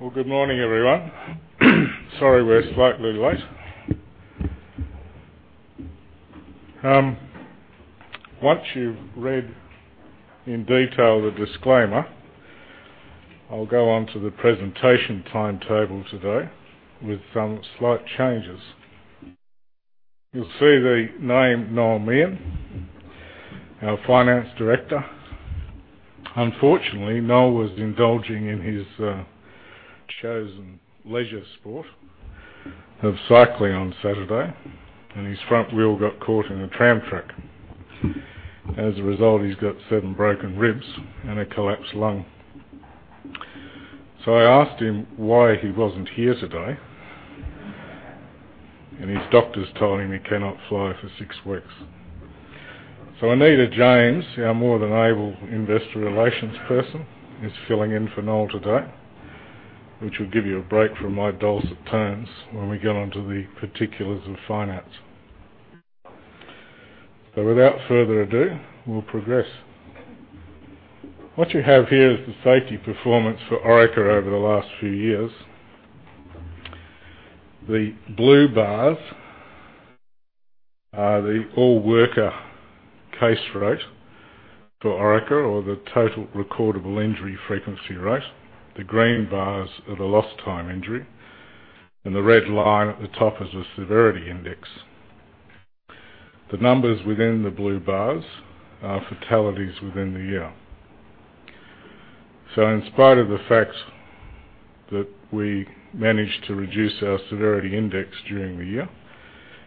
Well, good morning, everyone. Sorry we're slightly late. Once you've read in detail the disclaimer, I'll go on to the presentation timetable today with some slight changes. You'll see the name Noel Meehan, our Finance Director. Unfortunately, Noel was indulging in his chosen leisure sport of cycling on Saturday, and his front wheel got caught in a tram track. As a result, he's got seven broken ribs and a collapsed lung. I asked him why he wasn't here today, and his doctors told him he cannot fly for six weeks. Anita James, our more than able investor relations person, is filling in for Noel today, which will give you a break from my dulcet tones when we get onto the particulars of finance. Without further ado, we'll progress. What you have here is the safety performance for Orica over the last few years. The blue bars are the all-worker case rate for Orica or the total recordable injury frequency rate. The green bars are the lost time injury, and the red line at the top is the severity index. The numbers within the blue bars are fatalities within the year. In spite of the fact that we managed to reduce our severity index during the year,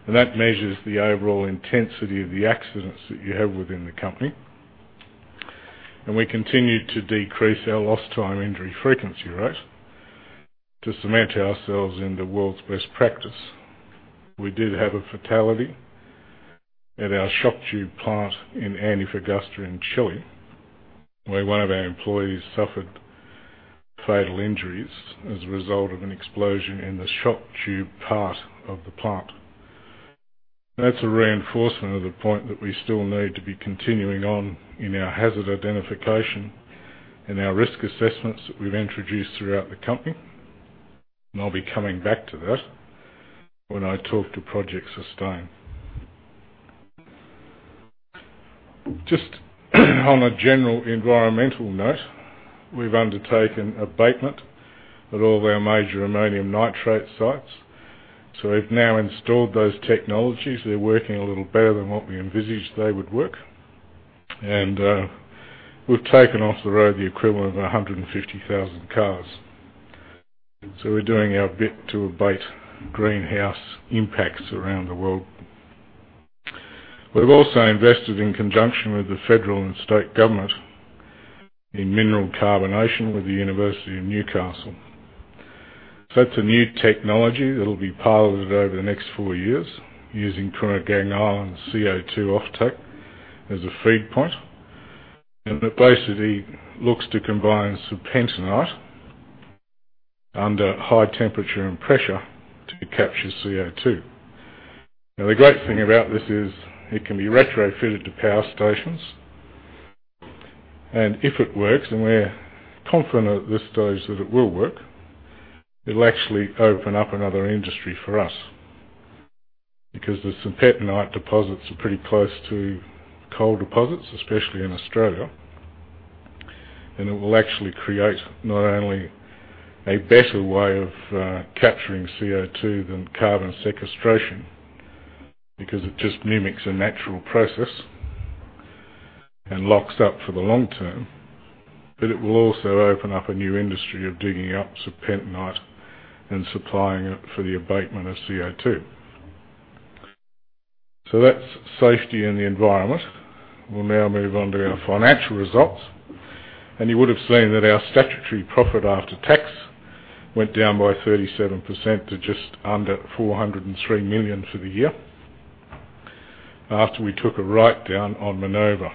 and that measures the overall intensity of the accidents that you have within the company, and we continued to decrease our lost time injury frequency rate to cement ourselves in the world's best practice. We did have a fatality at our shock tube plant in Antofagasta in Chile, where one of our employees suffered fatal injuries as a result of an explosion in the shock tube part of the plant. That's a reinforcement of the point that we still need to be continuing on in our hazard identification and our risk assessments that we've introduced throughout the company. I'll be coming back to that when I talk to Project Sustain. Just on a general environmental note, we've undertaken abatement at all of our major ammonium nitrate sites. We've now installed those technologies. They're working a little better than what we envisaged they would work, and we've taken off the road the equivalent of 150,000 cars. We're doing our bit to abate greenhouse impacts around the world. We've also invested in conjunction with the federal and state government in mineral carbonation with the University of Newcastle. That's a new technology that'll be piloted over the next four years using Kooragang Island's CO2 offtake as a feed point. It basically looks to combine serpentinite under high temperature and pressure to capture CO2. The great thing about this is it can be retrofitted to power stations. If it works, and we're confident at this stage that it will work, it'll actually open up another industry for us because the serpentinite deposits are pretty close to coal deposits, especially in Australia. It will actually create not only a better way of capturing CO2 than carbon sequestration because it just mimics a natural process and locks it up for the long term, but it will also open up a new industry of digging up serpentinite and supplying it for the abatement of CO2. That's safety and the environment. We'll now move on to our financial results. You would have seen that our statutory profit after tax went down by 37% to just under 403 million for the year after we took a write-down on Minova.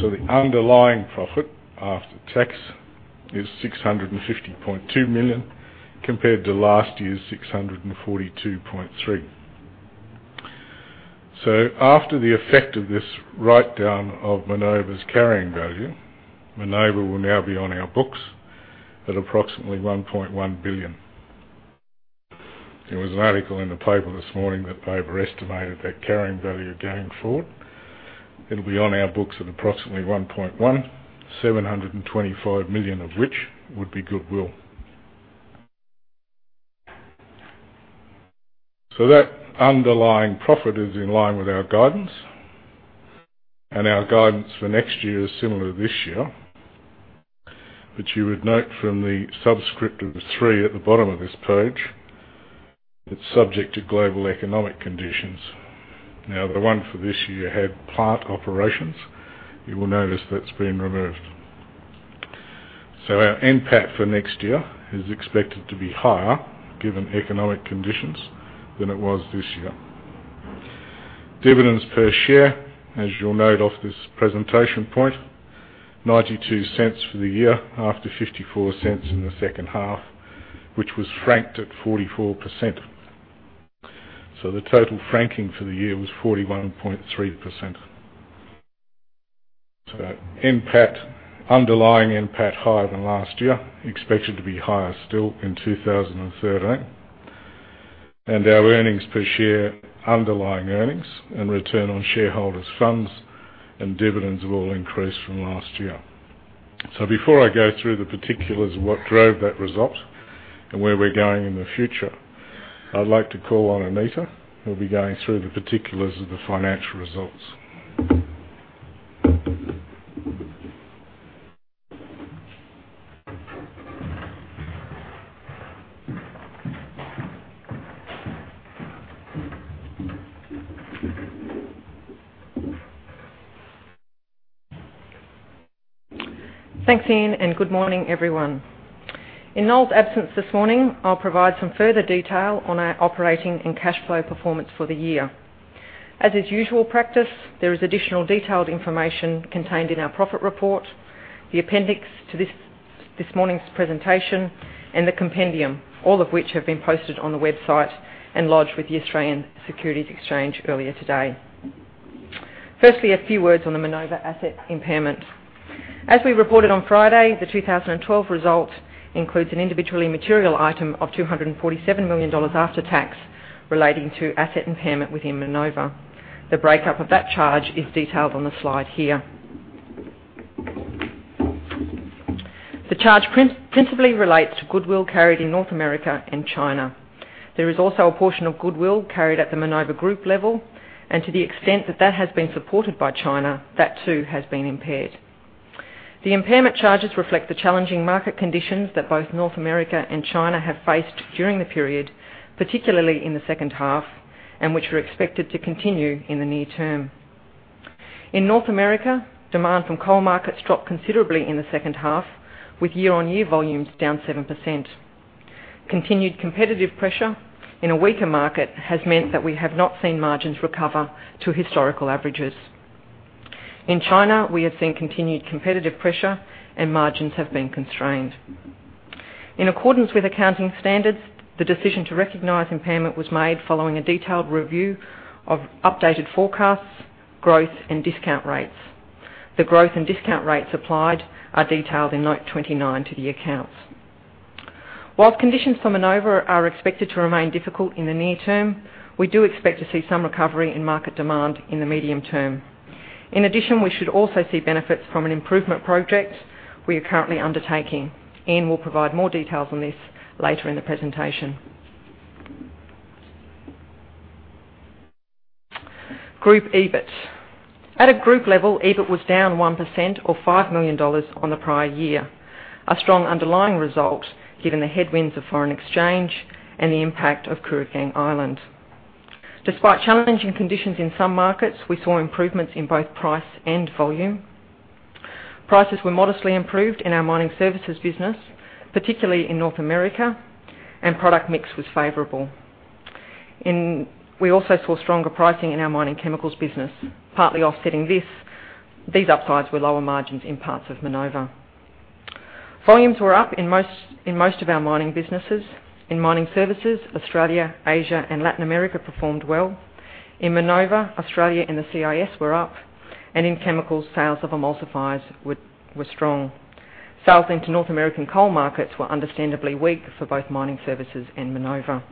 The underlying profit after tax is 650.2 million compared to last year's 642.3 million. After the effect of this write-down of Minova's carrying value, Minova will now be on our books at approximately 1.1 billion. There was an article in the paper this morning that overestimated that carrying value going forward. It'll be on our books at approximately 1.1 billion, 725 million of which would be goodwill. That underlying profit is in line with our guidance, and our guidance for next year is similar to this year. You would note from the subscript of the three at the bottom of this page, it's subject to global economic conditions. The one for this year had plant operations. You will notice that's been removed. Our NPAT for next year is expected to be higher, given economic conditions, than it was this year. Dividends per share, as you'll note off this presentation point, 0.92 for the year after 0.54 in the second half, which was franked at 44%. The total franking for the year was 41.3%. NPAT, underlying NPAT higher than last year, expected to be higher still in 2013. Our earnings per share, underlying earnings and return on shareholders' funds and dividends will increase from last year. Before I go through the particulars of what drove that result and where we're going in the future, I'd like to call on Anita, who'll be going through the particulars of the financial results. Thanks, Ian, and good morning, everyone. In Noel's absence this morning, I'll provide some further detail on our operating and cash flow performance for the year. As is usual practice, there is additional detailed information contained in our profit report, the appendix to this morning's presentation, and the compendium, all of which have been posted on the website and lodged with the Australian Securities Exchange earlier today. Firstly, a few words on the Minova asset impairment. As we reported on Friday, the 2012 result includes an individually material item of 247 million dollars after tax relating to asset impairment within Minova. The breakup of that charge is detailed on the slide here. The charge principally relates to goodwill carried in North America and China. There is also a portion of goodwill carried at the Minova group level, and to the extent that that has been supported by China, that too has been impaired. The impairment charges reflect the challenging market conditions that both North America and China have faced during the period, particularly in the second half, and which are expected to continue in the near term. In North America, demand from coal markets dropped considerably in the second half, with year-on-year volumes down 7%. Continued competitive pressure in a weaker market has meant that we have not seen margins recover to historical averages. In China, we have seen continued competitive pressure, and margins have been constrained. In accordance with accounting standards, the decision to recognize impairment was made following a detailed review of updated forecasts, growth, and discount rates. The growth and discount rates applied are detailed in note 29 to the accounts. While conditions for Minova are expected to remain difficult in the near term, we do expect to see some recovery in market demand in the medium term. In addition, we should also see benefits from an improvement project we are currently undertaking. Ian will provide more details on this later in the presentation. Group EBIT. At a group level, EBIT was down 1% or 5 million dollars on the prior year, a strong underlying result given the headwinds of foreign exchange and the impact of Kooragang Island. Despite challenging conditions in some markets, we saw improvements in both price and volume. Prices were modestly improved in our mining services business, particularly in North America, and product mix was favorable. We also saw stronger pricing in our mining chemicals business. Partly offsetting this, these upsides were lower margins in parts of Minova. Volumes were up in most of our mining businesses. In mining services, Australia, Asia, and Latin America performed well. In Minova, Australia and the CIS were up, and in chemicals, sales of emulsifiers were strong. Sales into North American coal markets were understandably weak for both mining services and Minova.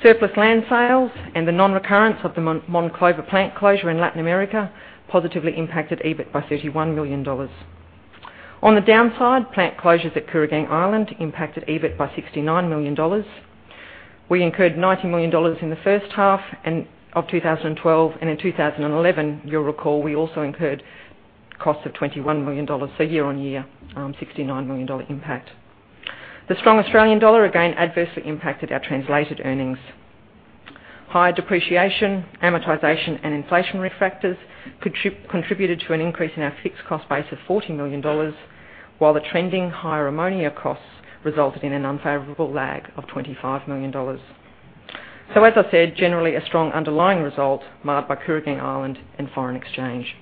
Surplus land sales and the non-recurrence of the Monclova plant closure in Latin America positively impacted EBIT by 31 million dollars. On the downside, plant closures at Kooragang Island impacted EBIT by 69 million dollars. We incurred 90 million dollars in the first half of 2012, and in 2011, you'll recall we also incurred costs of 21 million dollars. Year-on-year, 69 million dollar impact. The strong Australian dollar again adversely impacted our translated earnings. Higher depreciation, amortization, and inflationary factors contributed to an increase in our fixed cost base of 40 million dollars, while the trending higher ammonia costs resulted in an unfavorable lag of 25 million dollars. As I said, generally a strong underlying result marred by Kooragang Island and foreign exchange.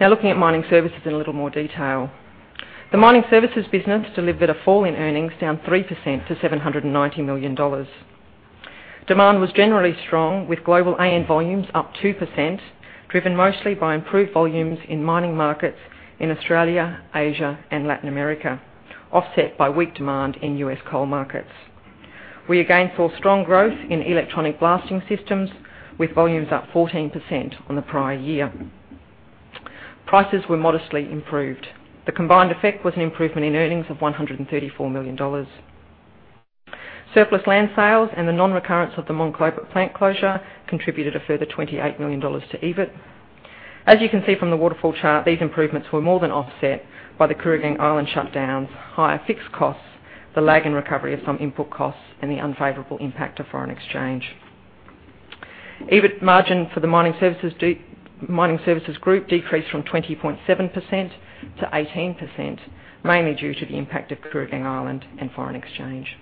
Now looking at mining services in a little more detail. The mining services business delivered a fall in earnings down 3% to 790 million dollars. Demand was generally strong with global AN volumes up 2%, driven mostly by improved volumes in mining markets in Australia, Asia, and Latin America, offset by weak demand in U.S. coal markets. We again saw strong growth in electronic blasting systems, with volumes up 14% on the prior year. Prices were modestly improved. The combined effect was an improvement in earnings of 134 million dollars. Surplus land sales and the non-recurrence of the Monclova plant closure contributed a further 28 million dollars to EBIT. As you can see from the waterfall chart, these improvements were more than offset by the Kooragang Island shutdowns, higher fixed costs, the lag in recovery of some input costs, and the unfavorable impact of foreign exchange. EBIT margin for the mining services group decreased from 20.7% to 18%, mainly due to the impact of Kooragang Island and foreign exchange.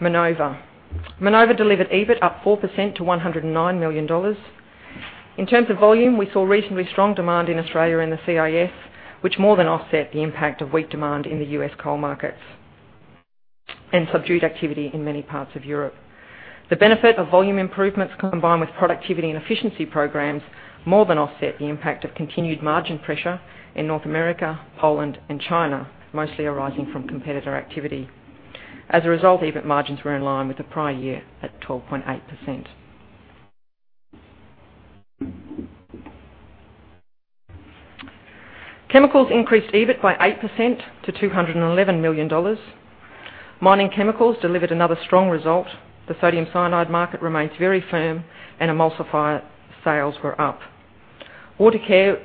Minova. Minova delivered EBIT up 4% to 109 million dollars. In terms of volume, we saw reasonably strong demand in Australia and the CIS, which more than offset the impact of weak demand in the U.S. coal markets, and subdued activity in many parts of Europe. The benefit of volume improvements combined with productivity and efficiency programs more than offset the impact of continued margin pressure in North America, Poland, and China, mostly arising from competitor activity. As a result, EBIT margins were in line with the prior year at 12.8%. Chemicals increased EBIT by 8% to 211 million dollars. Mining chemicals delivered another strong result. The sodium cyanide market remains very firm, and emulsifier sales were up. Water care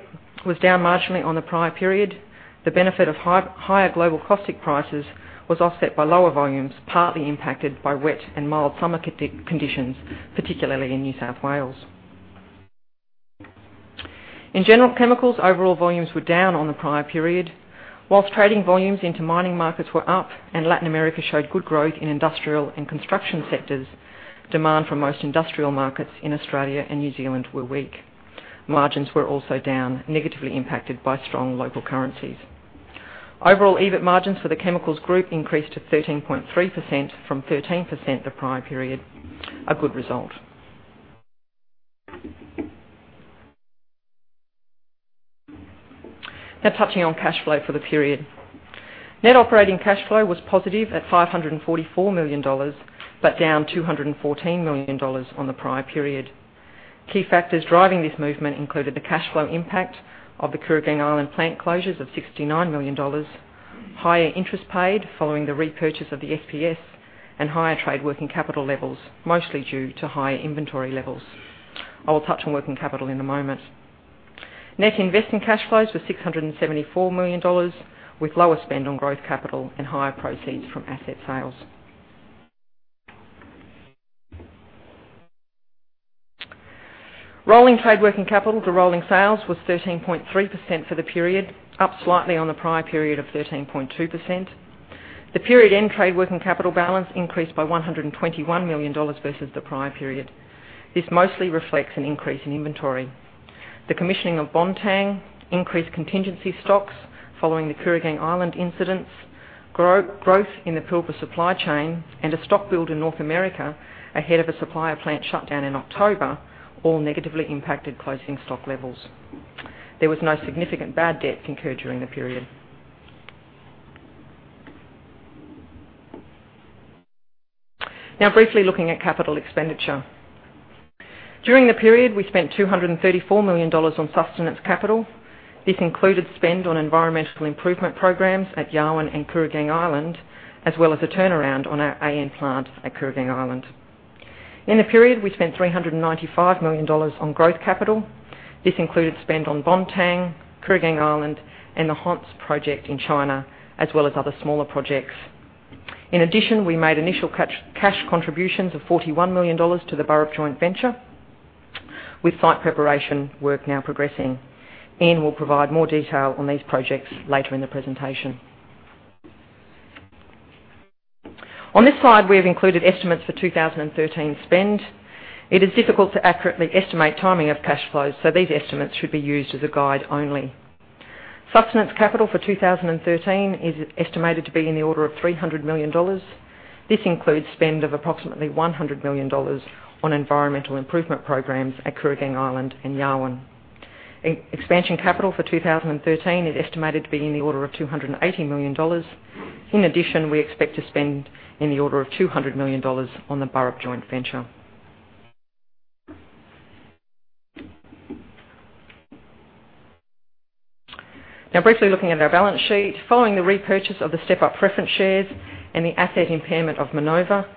was down marginally on the prior period. The benefit of higher global caustic prices was offset by lower volumes, partly impacted by wet and mild summer conditions, particularly in New South Wales. In general chemicals, overall volumes were down on the prior period. Whilst trading volumes into mining markets were up and Latin America showed good growth in industrial and construction sectors, demand for most industrial markets in Australia and New Zealand were weak. Margins were also down, negatively impacted by strong local currencies. Overall, EBIT margins for the chemicals group increased to 13.3% from 13% the prior period, a good result. Touching on cash flow for the period. Net operating cash flow was positive at 544 million dollars, down 214 million dollars on the prior period. Key factors driving this movement included the cash flow impact of the Kooragang Island plant closures of 69 million dollars, higher interest paid following the repurchase of the SPS, and higher trade working capital levels, mostly due to higher inventory levels. I will touch on working capital in a moment. Net investing cash flows were 674 million dollars, with lower spend on growth capital and higher proceeds from asset sales. Rolling trade working capital to rolling sales was 13.3% for the period, up slightly on the prior period of 13.2%. The period end trade working capital balance increased by 121 million dollars versus the prior period. This mostly reflects an increase in inventory. The commissioning of Bontang increased contingency stocks following the Kooragang Island incidents, growth in the Pilbara supply chain, and a stock build in North America ahead of a supplier plant shutdown in October, all negatively impacted closing stock levels. There was no significant bad debt incurred during the period. Briefly looking at capital expenditure. During the period, we spent 234 million dollars on sustenance capital. This included spend on environmental improvement programs at Yarwun and Kooragang Island, as well as a turnaround on our AN plant at Kooragang Island. In the period, we spent 395 million dollars on growth capital. This included spend on Bontang, Kooragang Island, and the Hengze project in China, as well as other smaller projects. In addition, we made initial cash contributions of 41 million dollars to the Burrup joint venture, with site preparation work now progressing. Ian will provide more detail on these projects later in the presentation. On this slide, we have included estimates for 2013 spend. It is difficult to accurately estimate timing of cash flows, so these estimates should be used as a guide only. Sustenance capital for 2013 is estimated to be in the order of 300 million dollars. This includes spend of approximately 100 million dollars on environmental improvement programs at Kooragang Island and Yarwun. Expansion capital for 2013 is estimated to be in the order of 280 million dollars. In addition, we expect to spend in the order of 200 million dollars on the Burrup joint venture. Briefly looking at our balance sheet. Following the repurchase of the step-up preference shares and the asset impairment of Minova,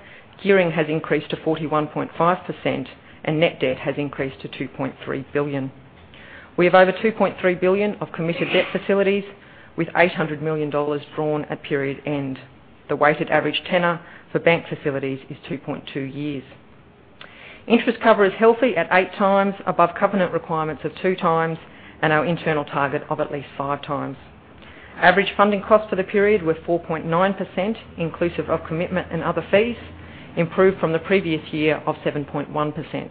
gearing has increased to 41.5% and net debt has increased to 2.3 billion. We have over 2.3 billion of committed debt facilities with 800 million dollars drawn at period end. The weighted average tenor for bank facilities is 2.2 years. Interest cover is healthy at eight times above covenant requirements of two times and our internal target of at least five times. Average funding costs for the period were 4.9%, inclusive of commitment and other fees, improved from the previous year of 7.1%.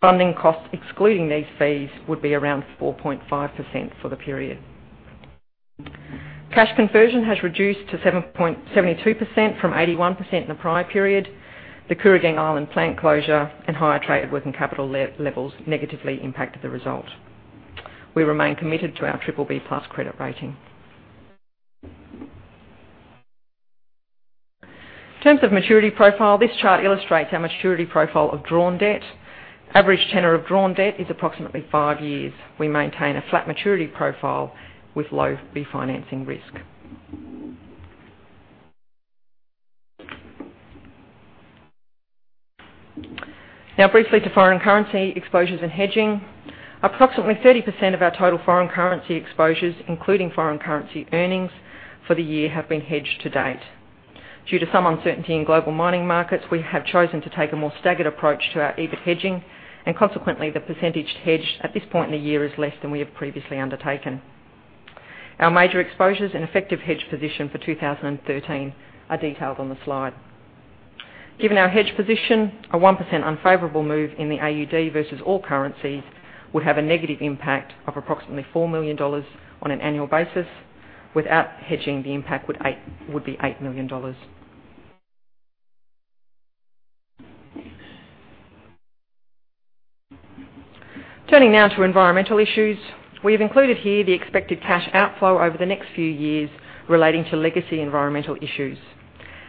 Funding costs excluding these fees would be around 4.5% for the period. Cash conversion has reduced to 72% from 81% in the prior period. The Kooragang Island plant closure and higher trade working capital levels negatively impacted the result. We remain committed to our BBB+ credit rating. In terms of maturity profile, this chart illustrates our maturity profile of drawn debt. Average tenor of drawn debt is approximately five years. We maintain a flat maturity profile with low refinancing risk. Briefly to foreign currency exposures and hedging. Approximately 30% of our total foreign currency exposures, including foreign currency earnings, for the year have been hedged to date. Due to some uncertainty in global mining markets, we have chosen to take a more staggered approach to our EBIT hedging. Consequently, the percentage hedged at this point in the year is less than we have previously undertaken. Our major exposures and effective hedge position for 2013 are detailed on the slide. Given our hedge position, a 1% unfavorable move in the AUD versus all currencies would have a negative impact of approximately 4 million dollars on an annual basis. Without hedging, the impact would be 8 million dollars. Turning now to environmental issues. We have included here the expected cash outflow over the next few years relating to legacy environmental issues.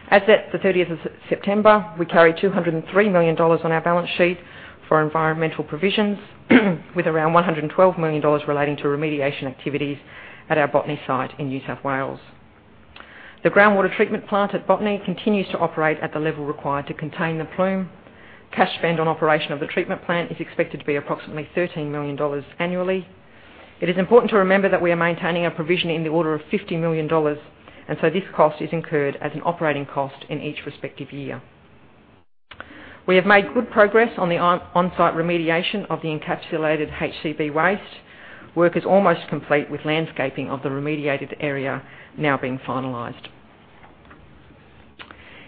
As at the 30th of September, we carry 203 million dollars on our balance sheet for environmental provisions, with around 112 million dollars relating to remediation activities at our Botany site in New South Wales. The groundwater treatment plant at Botany continues to operate at the level required to contain the plume. Cash spend on operation of the treatment plant is expected to be approximately 13 million dollars annually. It is important to remember that we are maintaining a provision in the order of 50 million dollars. This cost is incurred as an operating cost in each respective year. We have made good progress on the on-site remediation of the encapsulated HCB waste. Work is almost complete, with landscaping of the remediated area now being finalized.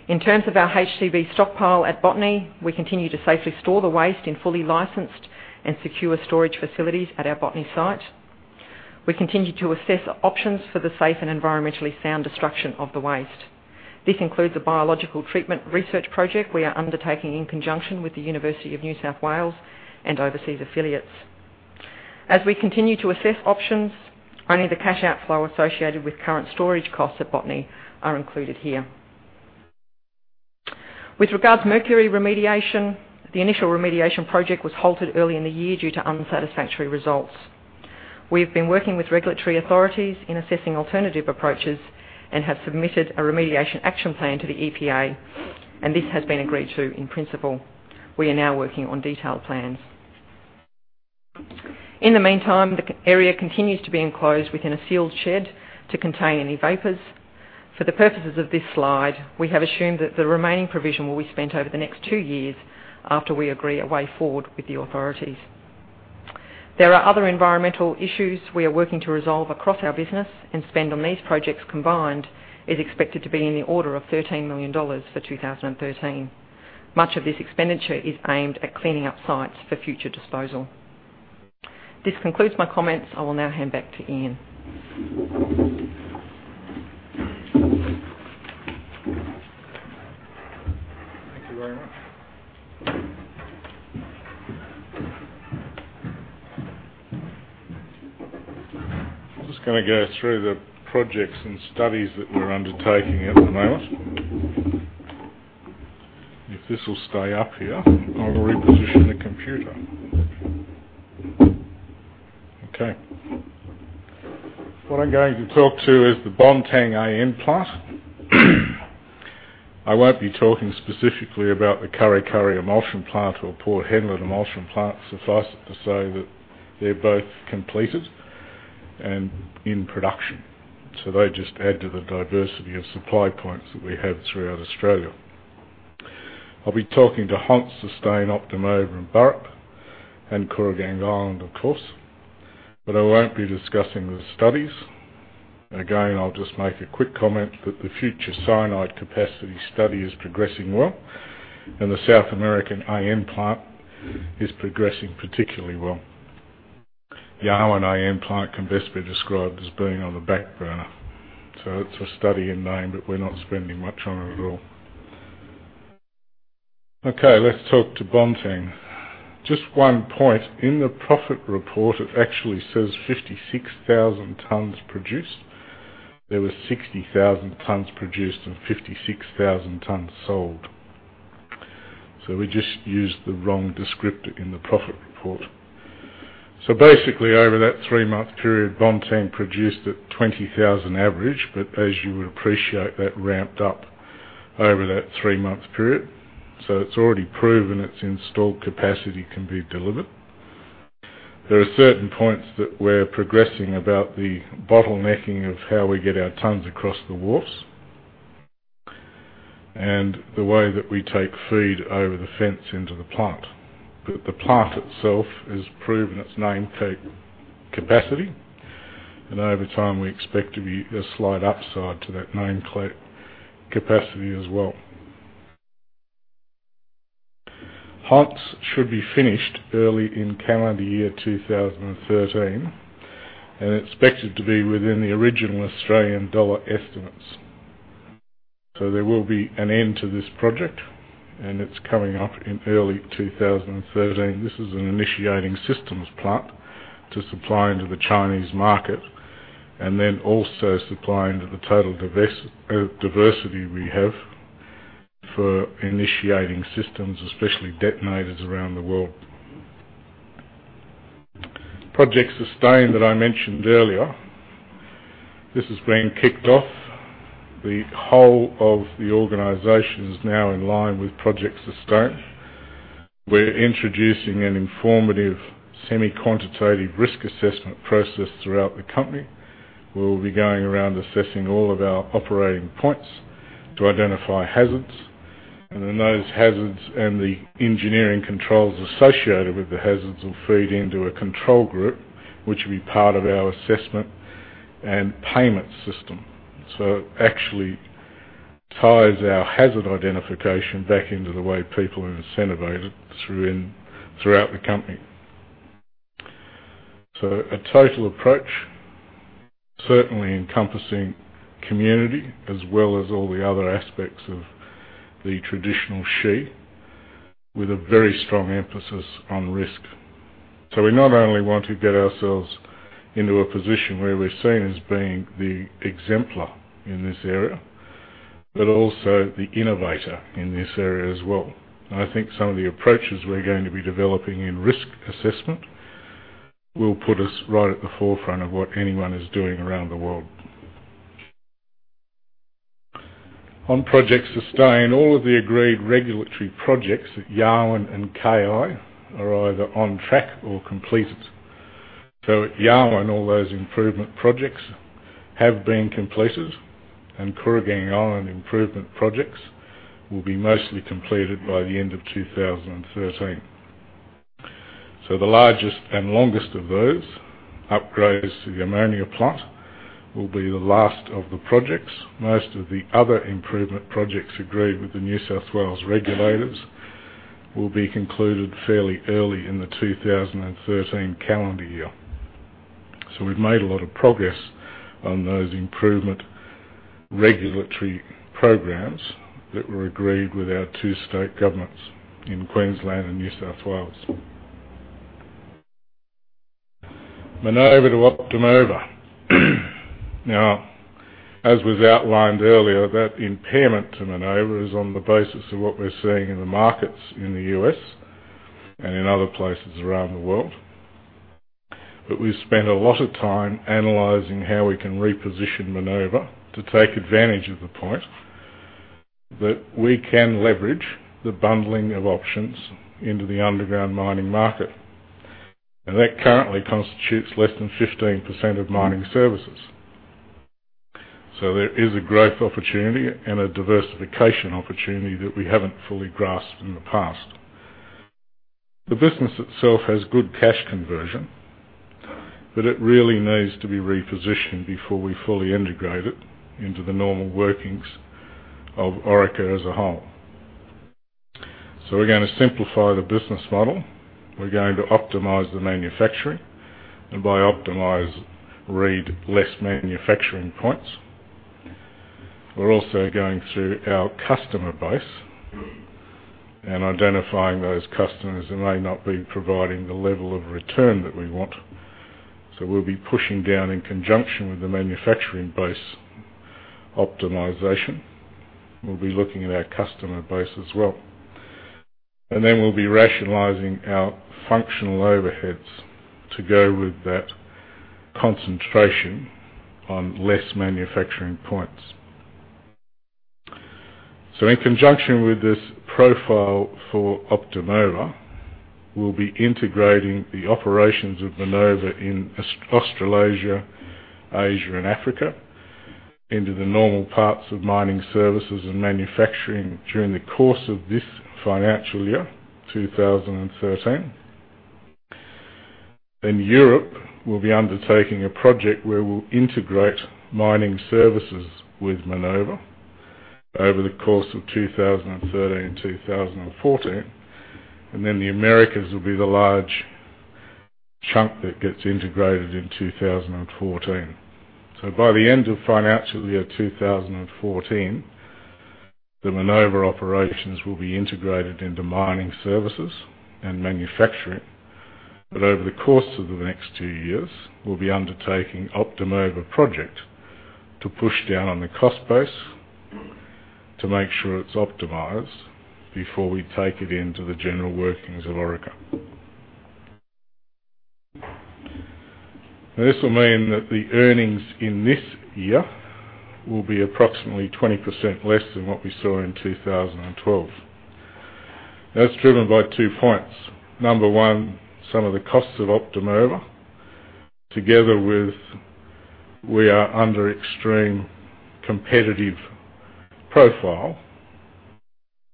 In terms of our HCB stockpile at Botany, we continue to safely store the waste in fully licensed and secure storage facilities at our Botany site. We continue to assess options for the safe and environmentally sound destruction of the waste. This includes a biological treatment research project we are undertaking in conjunction with the University of New South Wales and overseas affiliates. As we continue to assess options, only the cash outflow associated with current storage costs at Botany are included here. With regards mercury remediation, the initial remediation project was halted early in the year due to unsatisfactory results. We have been working with regulatory authorities in assessing alternative approaches and have submitted a remediation action plan to the EPA. This has been agreed to in principle. We are now working on detailed plans. In the meantime, the area continues to be enclosed within a sealed shed to contain any vapors. For the purposes of this slide, we have assumed that the remaining provision will be spent over the next two years after we agree a way forward with the authorities. There are other environmental issues we are working to resolve across our business, and spend on these projects combined is expected to be in the order of 13 million dollars for 2013. Much of this expenditure is aimed at cleaning up sites for future disposal. This concludes my comments. I will now hand back to Ian. Thank you very much. I'm just going to go through the projects and studies that we're undertaking at the moment. If this will stay up here. I'll reposition the computer. Okay. What I'm going to talk to is the Bontang AM plant. I won't be talking specifically about the Kurri Kurri Emulsion Plant or Port Hedland Emulsion Plant. Suffice it to say that they're both completed and in production. They just add to the diversity of supply points that we have throughout Australia. I'll be talking to Hunt, Sustain, Optima, Burrup, and Kooragang Island, of course, but I won't be discussing the studies. Again, I'll just make a quick comment that the future cyanide capacity study is progressing well and the South American AM plant is progressing particularly well. The Awan AM plant can best be described as being on the back burner, it's a study in name, but we're not spending much on it at all. Okay, let's talk to Bontang. Just one point. In the profit report, it actually says 56,000 tons produced. There were 60,000 tons produced and 56,000 tons sold. We just used the wrong descriptor in the profit report. Basically, over that three-month period, Bontang produced at 20,000 average, but as you would appreciate, that ramped up over that three-month period. It's already proven its installed capacity can be delivered. There are certain points that we're progressing about the bottlenecking of how we get our tons across the wharfs and the way that we take feed over the fence into the plant. The plant itself has proven its nameplate capacity, over time, we expect to be a slight upside to that nameplate capacity as well. Hunt should be finished early in calendar year 2013, it's expected to be within the original AUD estimates. There will be an end to this project, it's coming up in early 2013. This is an initiating systems plant to supply into the Chinese market and then also supply into the total diversity we have for initiating systems, especially detonators around the world. Project Sustain that I mentioned earlier, this has been kicked off. The whole of the organization is now in line with Project Sustain. We're introducing an informative semi-quantitative risk assessment process throughout the company. We will be going around assessing all of our operating points to identify hazards. Then those hazards and the engineering controls associated with the hazards will feed into a control group, which will be part of our assessment and payment system. It actually ties our hazard identification back into the way people are incentivized throughout the company. A total approach, certainly encompassing community as well as all the other aspects of the traditional SHE with a very strong emphasis on risk. We not only want to get ourselves into a position where we're seen as being the exemplar in this area, but also the innovator in this area as well. I think some of the approaches we're going to be developing in risk assessment will put us right at the forefront of what anyone is doing around the world. On Project Sustain, all of the agreed regulatory projects at Yarwun and KI are either on track or completed. At Yarwun, all those improvement projects have been completed, and Kooragang Island improvement projects will be mostly completed by the end of 2013. The largest and longest of those upgrades to the ammonia plant will be the last of the projects. Most of the other improvement projects agreed with the New South Wales regulators will be concluded fairly early in the 2013 calendar year. We've made a lot of progress on those improvement regulatory programs that were agreed with our two state governments in Queensland and New South Wales. Minova to Optima. As was outlined earlier, that impairment to Minova is on the basis of what we're seeing in the markets in the U.S. and in other places around the world. We've spent a lot of time analyzing how we can reposition Minova to take advantage of the point that we can leverage the bundling of options into the underground mining market. That currently constitutes less than 15% of mining services. There is a growth opportunity and a diversification opportunity that we haven't fully grasped in the past. The business itself has good cash conversion, but it really needs to be repositioned before we fully integrate it into the normal workings of Orica as a whole. We're going to simplify the business model. We're going to optimize the manufacturing, and by optimize, read less manufacturing points. We're also going through our customer base and identifying those customers who may not be providing the level of return that we want. We'll be pushing down in conjunction with the manufacturing base optimization. We'll be looking at our customer base as well. Then we'll be rationalizing our functional overheads to go with that concentration on less manufacturing points. In conjunction with this profile for Optima, we'll be integrating the operations of Minova in Australasia, Asia, and Africa into the normal parts of mining services and manufacturing during the course of this financial year 2013. In Europe, we'll be undertaking a project where we'll integrate mining services with Minova over the course of 2013 and 2014. Then the Americas will be the large chunk that gets integrated in 2014. By the end of financial year 2014, the Minova operations will be integrated into mining services and manufacturing. Over the course of the next two years, we'll be undertaking Optima project to push down on the cost base to make sure it's optimized before we take it into the general workings of Orica. This will mean that the earnings in this year will be approximately 20% less than what we saw in 2012. That's driven by two points. Number one, some of the costs of Optima, together with we are under extreme competitive profile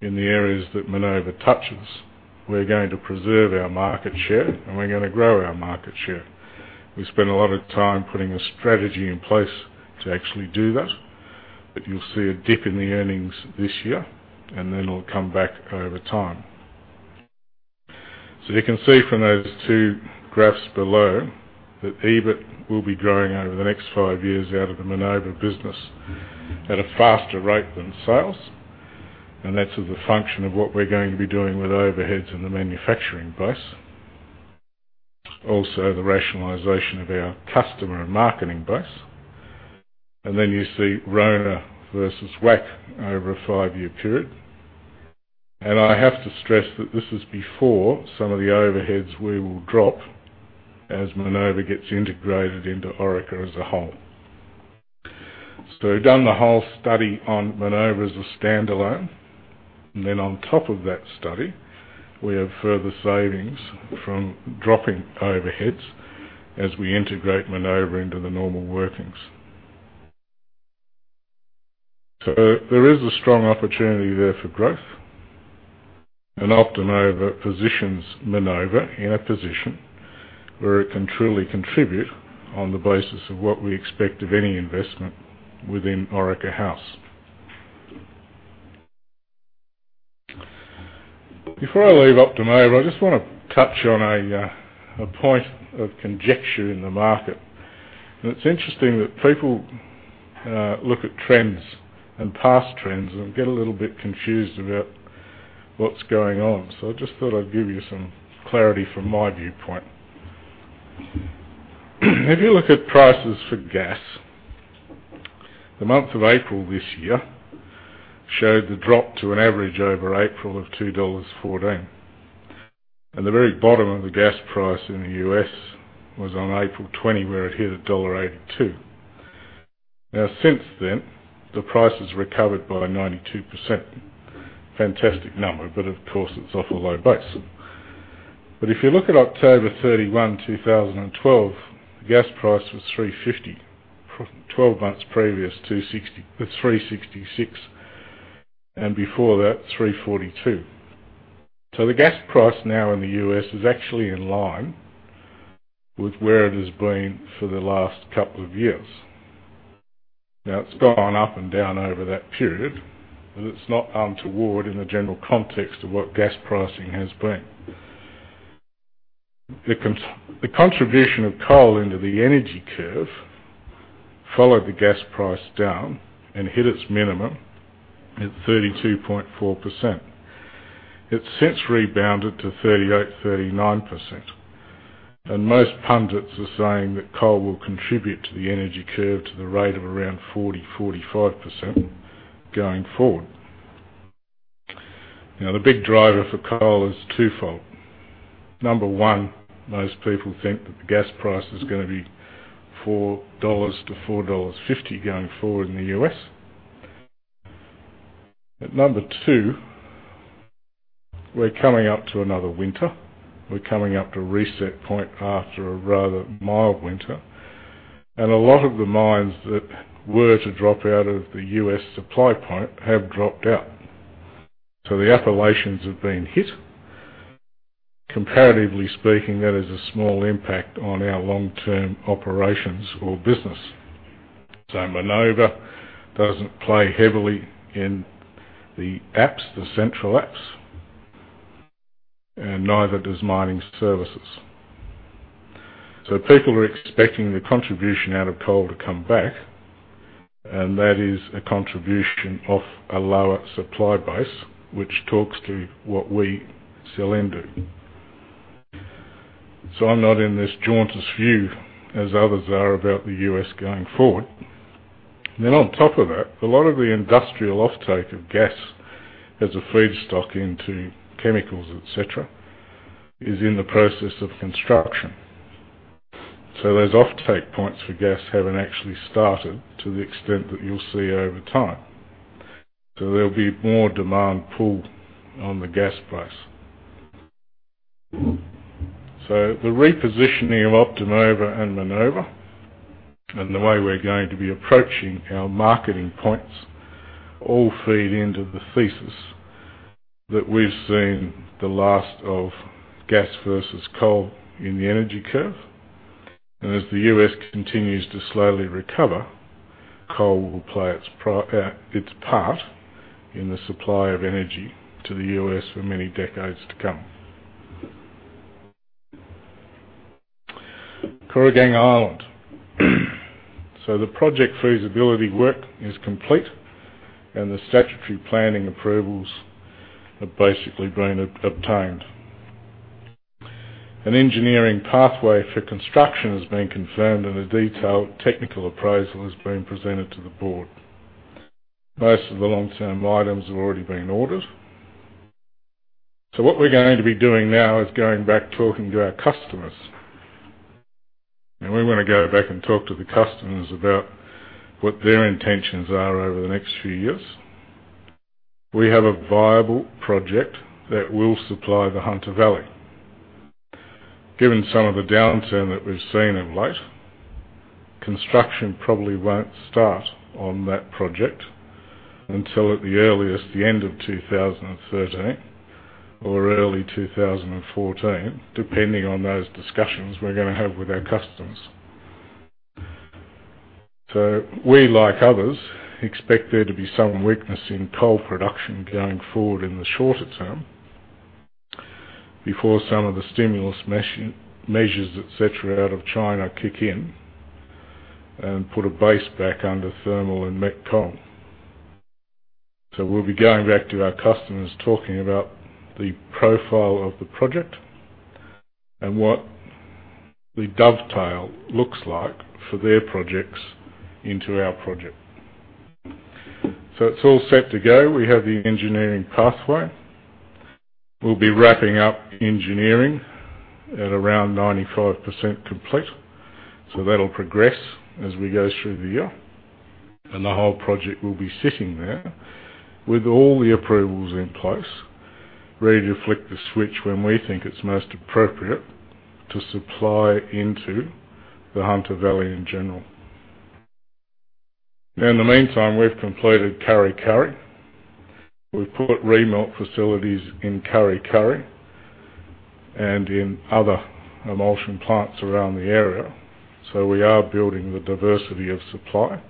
in the areas that Minova touches. We're going to preserve our market share, and we're gonna grow our market share. We spent a lot of time putting a strategy in place to actually do that, but you'll see a dip in the earnings this year, and then it'll come back over time. You can see from those two graphs below that EBIT will be growing over the next five years out of the Minova business at a faster rate than sales, and that's as a function of what we're going to be doing with overheads in the manufacturing base. The rationalization of our customer and marketing base. You see RONA versus WACC over a five-year period. I have to stress that this is before some of the overheads we will drop as Minova gets integrated into Orica as a whole. We've done the whole study on Minova as a standalone. On top of that study, we have further savings from dropping overheads as we integrate Minova into the normal workings. There is a strong opportunity there for growth. Optima positions Minova in a position where it can truly contribute on the basis of what we expect of any investment within Orica House. Before I leave Optima, I just want to touch on a point of conjecture in the market. It's interesting that people look at trends and past trends and get a little bit confused about what's going on. I just thought I'd give you some clarity from my viewpoint. If you look at prices for gas, the month of April this year showed the drop to an average over April of $2.14. The very bottom of the gas price in the U.S. was on April 20, where it hit $1.82. Since then, the price has recovered by 92%. Fantastic number, but of course, it's off a low base. If you look at October 31, 2012, the gas price was $3.50. 12 months previous, $3.66. Before that, $3.42. The gas price now in the U.S. is actually in line with where it has been for the last couple of years. It's gone up and down over that period, but it's not untoward in the general context of what gas pricing has been. The contribution of coal into the energy curve followed the gas price down and hit its minimum at 32.4%. It's since rebounded to 38%, 39%, and most pundits are saying that coal will contribute to the energy curve to the rate of around 40%-45% going forward. The big driver for coal is twofold. Number one, most people think that the gas price is going to be $4 to $4.50 going forward in the U.S. Number two, we're coming up to another winter. We're coming up to a reset point after a rather mild winter. A lot of the mines that were to drop out of the U.S. supply point have dropped out. The Appalachians have been hit. Comparatively speaking, that is a small impact on our long-term operations or business. Minova doesn't play heavily in the Apps, the Central Apps, and neither does mining services. People are expecting the contribution out of coal to come back, that is a contribution off a lower supply base, which talks to what we sell into. I'm not in this jaundiced view as others are about the U.S. going forward. On top of that, a lot of the industrial offtake of gas as a feedstock into chemicals, et cetera, is in the process of construction. Those offtake points for gas haven't actually started to the extent that you'll see over time. There'll be more demand pull on the gas price. The repositioning of Optima and Minova and the way we're going to be approaching our marketing points all feed into the thesis that we've seen the last of gas versus coal in the energy curve. As the U.S. continues to slowly recover, coal will play its part in the supply of energy to the U.S. for many decades to come. Kooragang Island. The project feasibility work is complete and the statutory planning approvals have basically been obtained. An engineering pathway for construction has been confirmed and a detailed technical appraisal has been presented to the board. Most of the long-term items have already been ordered. What we're going to be doing now is going back talking to our customers. We want to go back and talk to the customers about what their intentions are over the next few years. We have a viable project that will supply the Hunter Valley. Given some of the downturn that we've seen of late, construction probably won't start on that project until at the earliest, the end of 2013 or early 2014, depending on those discussions we're going to have with our customers. We, like others, expect there to be some weakness in coal production going forward in the shorter term before some of the stimulus measures, et cetera, out of China kick in and put a base back under thermal and met coal. We'll be going back to our customers, talking about the profile of the project and what the dovetail looks like for their projects into our project. It's all set to go. We have the engineering pathway. We'll be wrapping up engineering at around 95% complete. That'll progress as we go through the year, the whole project will be sitting there with all the approvals in place ready to flick the switch when we think it's most appropriate to supply into the Hunter Valley in general. In the meantime, we've completed Kurri Kurri. We've put remelt facilities in Kurri Kurri and in other emulsion plants around the area. We are building the diversity of supply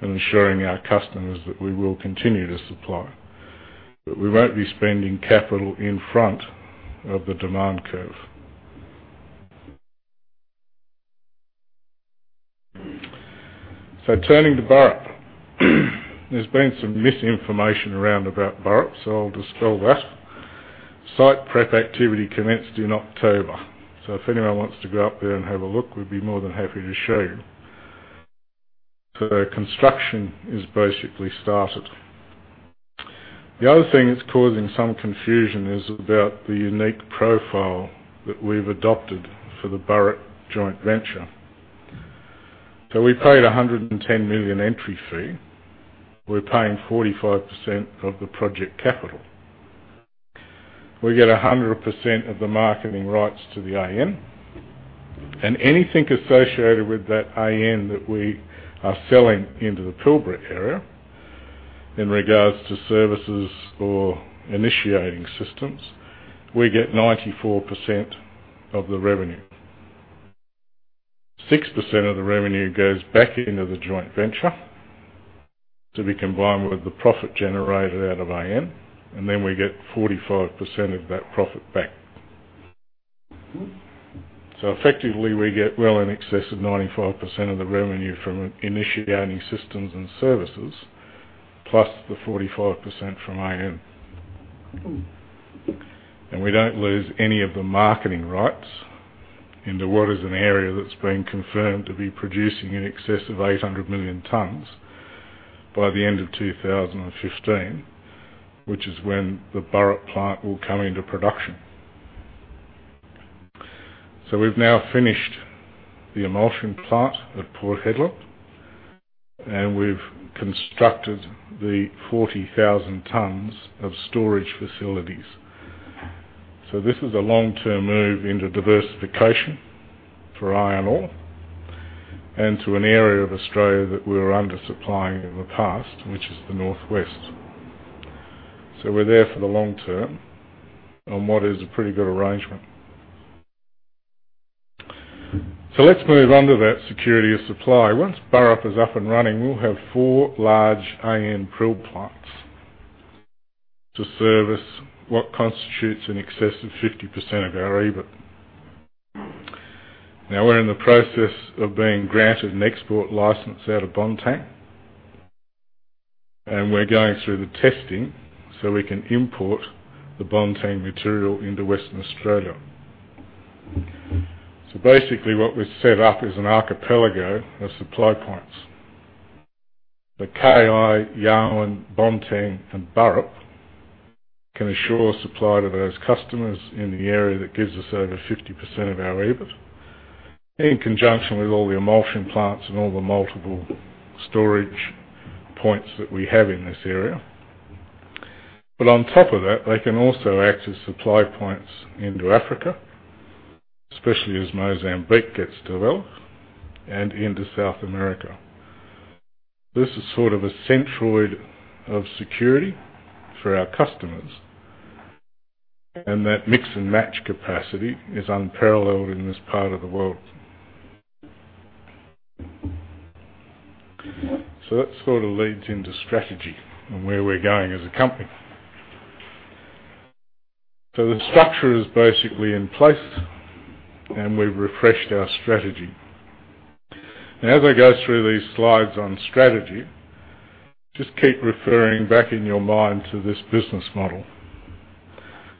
and ensuring our customers that we will continue to supply. We won't be spending capital in front of the demand curve. Turning to Burrup. There's been some misinformation around about Burrup, so I'll dispel that. Site prep activity commenced in October. If anyone wants to go up there and have a look, we'd be more than happy to show you. Construction is basically started. The other thing that's causing some confusion is about the unique profile that we've adopted for the Burrup joint venture. We paid 110 million entry fee. We're paying 45% of the project capital. We get 100% of the marketing rights to the AN. Anything associated with that AN that we are selling into the Pilbara area, in regards to services or initiating systems, we get 94% of the revenue. 6% of the revenue goes back into the joint venture to be combined with the profit generated out of AN, and then we get 45% of that profit back. Effectively, we get well in excess of 95% of the revenue from initiating systems and services, plus the 45% from AN. We don't lose any of the marketing rights into what is an area that's been confirmed to be producing in excess of 800 million tons by the end of 2015, which is when the Burrup plant will come into production. We've now finished the emulsion plant at Port Hedland, and we've constructed the 40,000 tons of storage facilities. This is a long-term move into diversification for iron ore and to an area of Australia that we were under-supplying in the past, which is the northwest. We're there for the long term on what is a pretty good arrangement. Let's move on to that security of supply. Once Burrup is up and running, we'll have four large AN prill plants to service what constitutes in excess of 50% of our EBIT. We're in the process of being granted an export license out of Bontang, and we're going through the testing so we can import the Bontang material into Western Australia. Basically, what we've set up is an archipelago of supply points. The Kooragang Island, Yarwun, Bontang and Burrup can assure supply to those customers in the area that gives us over 50% of our EBIT, in conjunction with all the emulsion plants and all the multiple storage points that we have in this area. On top of that, they can also act as supply points into Africa, especially as Mozambique gets developed, and into South America. This is sort of a centroid of security for our customers, and that mix-and-match capacity is unparalleled in this part of the world. That sort of leads into strategy and where we're going as a company. The structure is basically in place, and we've refreshed our strategy. As I go through these slides on strategy, just keep referring back in your mind to this business model.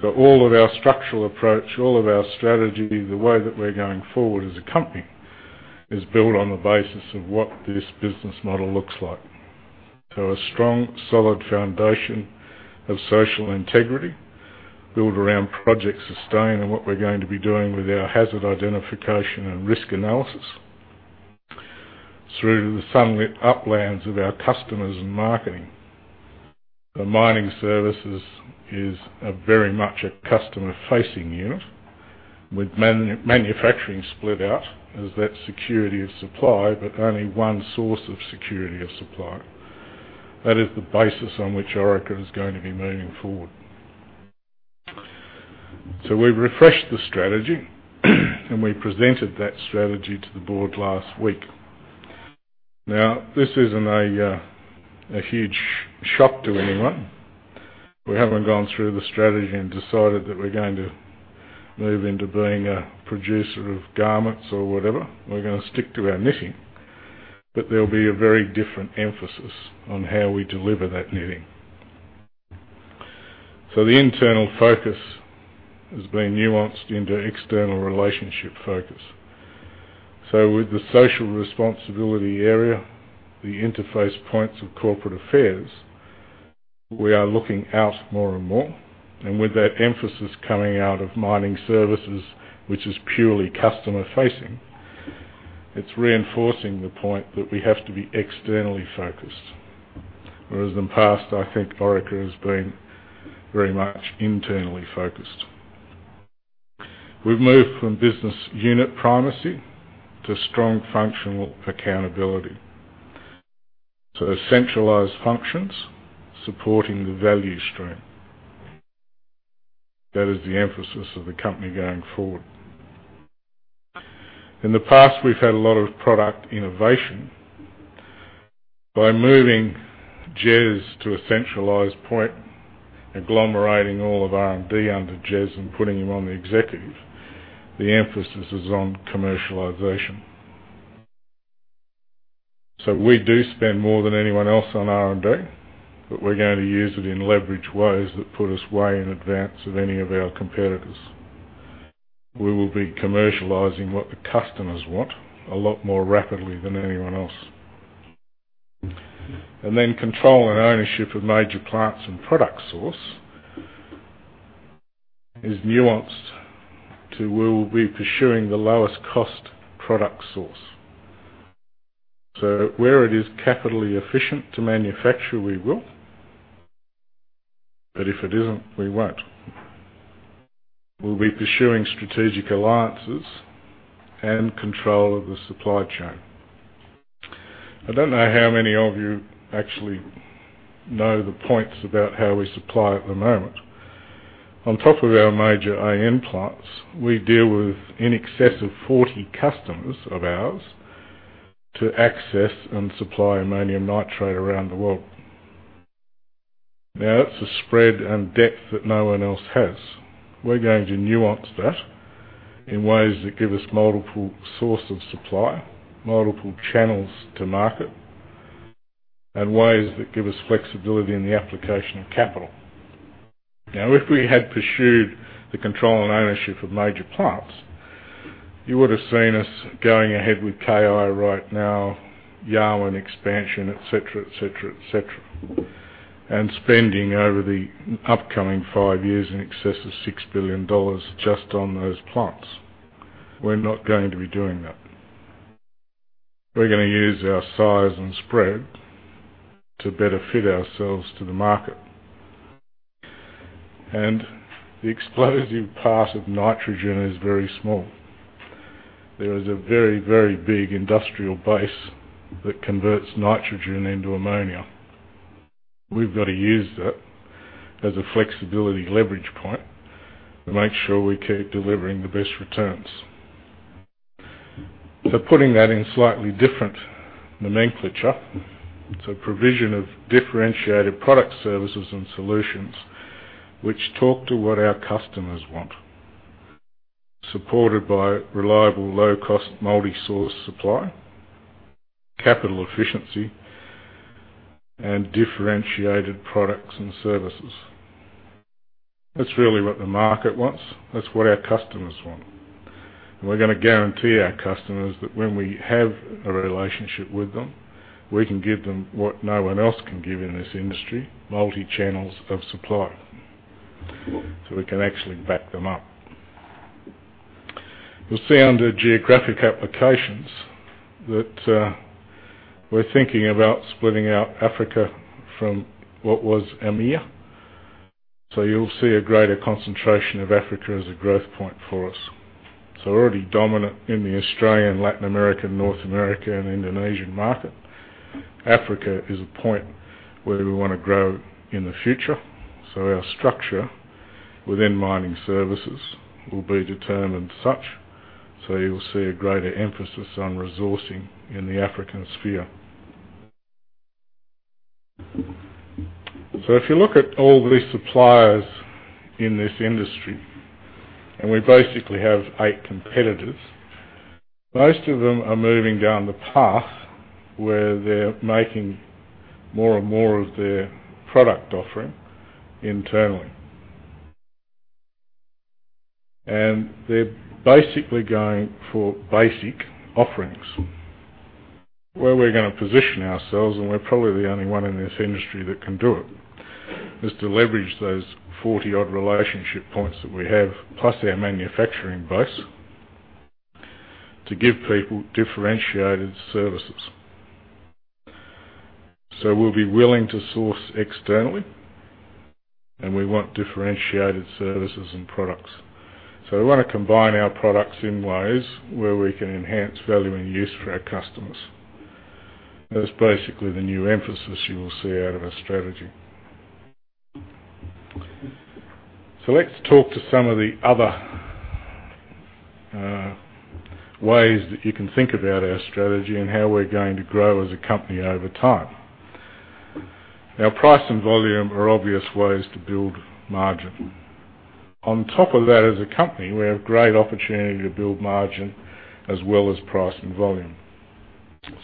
All of our structural approach, all of our strategy, the way that we're going forward as a company, is built on the basis of what this business model looks like. A strong, solid foundation of social integrity, built around Project Sustain and what we're going to be doing with our hazard identification and risk analysis, through to the sunlit uplands of our customers and marketing. The Mining Services is a very much a customer-facing unit with manufacturing split out as that security of supply, but only one source of security of supply. That is the basis on which Orica is going to be moving forward. We've refreshed the strategy and we presented that strategy to the board last week. This isn't a huge shock to anyone. We haven't gone through the strategy and decided that we're going to move into being a producer of garments or whatever. We're going to stick to our knitting, but there'll be a very different emphasis on how we deliver that knitting. The internal focus has been nuanced into external relationship focus. With the social responsibility area, the interface points of corporate affairs, we are looking out more and more. With that emphasis coming out of mining services, which is purely customer facing, it's reinforcing the point that we have to be externally focused. Whereas in the past, I think Orica has been very much internally focused. We've moved from business unit primacy to strong functional accountability. There's centralized functions supporting the value stream. That is the emphasis of the company going forward. In the past, we've had a lot of product innovation. By moving Jez to a centralized point, agglomerating all of R&D under Jez and putting him on the executive, the emphasis is on commercialization. We do spend more than anyone else on R&D, but we're going to use it in leverage ways that put us way in advance of any of our competitors. We will be commercializing what the customers want a lot more rapidly than anyone else. Then control and ownership of major plants and product source is nuanced to we'll be pursuing the lowest cost product source. Where it is capitally efficient to manufacture, we will. If it isn't, we won't. We'll be pursuing strategic alliances and control of the supply chain. I don't know how many of you actually know the points about how we supply at the moment. On top of our major AN plants, we deal with in excess of 40 customers of ours to access and supply ammonium nitrate around the world. That's a spread and depth that no one else has. We're going to nuance that in ways that give us multiple source of supply, multiple channels to market, and ways that give us flexibility in the application of capital. If we had pursued the control and ownership of major plants, you would have seen us going ahead with KI right now, Yarwun expansion, et cetera. Spending over the upcoming 5 years in excess of 6 billion dollars just on those plants. We're not going to be doing that. We're going to use our size and spread to better fit ourselves to the market. The explosive part of nitrogen is very small. There is a very big industrial base that converts nitrogen into ammonia. We've got to use that as a flexibility leverage point to make sure we keep delivering the best returns. Putting that in slightly different nomenclature, it's a provision of differentiated product services and solutions which talk to what our customers want, supported by reliable, low-cost, multi-source supply, capital efficiency, and differentiated products and services. That's really what the market wants. That's what our customers want. We're going to guarantee our customers that when we have a relationship with them, we can give them what no one else can give in this industry, multi-channels of supply. We can actually back them up. You'll see under geographic applications that we're thinking about splitting out Africa from what was EMEA. You'll see a greater concentration of Africa as a growth point for us. Already dominant in the Australian, Latin American, North America, and Indonesian market. Africa is a point where we want to grow in the future. Our structure within Mining Services will be determined such, you'll see a greater emphasis on resourcing in the African sphere. If you look at all the suppliers in this industry, and we basically have eight competitors, most of them are moving down the path where they're making more and more of their product offering internally. They're basically going for basic offerings. Where we're going to position ourselves, and we're probably the only one in this industry that can do it, is to leverage those 40 odd relationship points that we have, plus our manufacturing base, to give people differentiated services. We'll be willing to source externally, and we want differentiated services and products. We want to combine our products in ways where we can enhance value and use for our customers. That's basically the new emphasis you will see out of our strategy. Let's talk to some of the other ways that you can think about our strategy and how we're going to grow as a company over time. Price and volume are obvious ways to build margin. On top of that as a company, we have great opportunity to build margin as well as price and volume.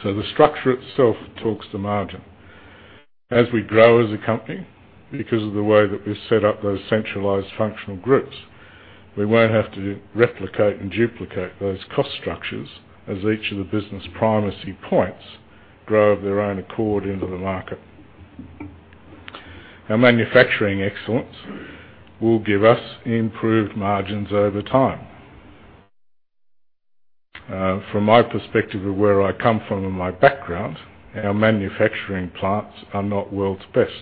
The structure itself talks to margin. As we grow as a company, because of the way that we've set up those centralized functional groups, we won't have to replicate and duplicate those cost structures as each of the business primacy points grow of their own accord into the market. Our manufacturing excellence will give us improved margins over time. From my perspective of where I come from and my background, our manufacturing plants are not world's best.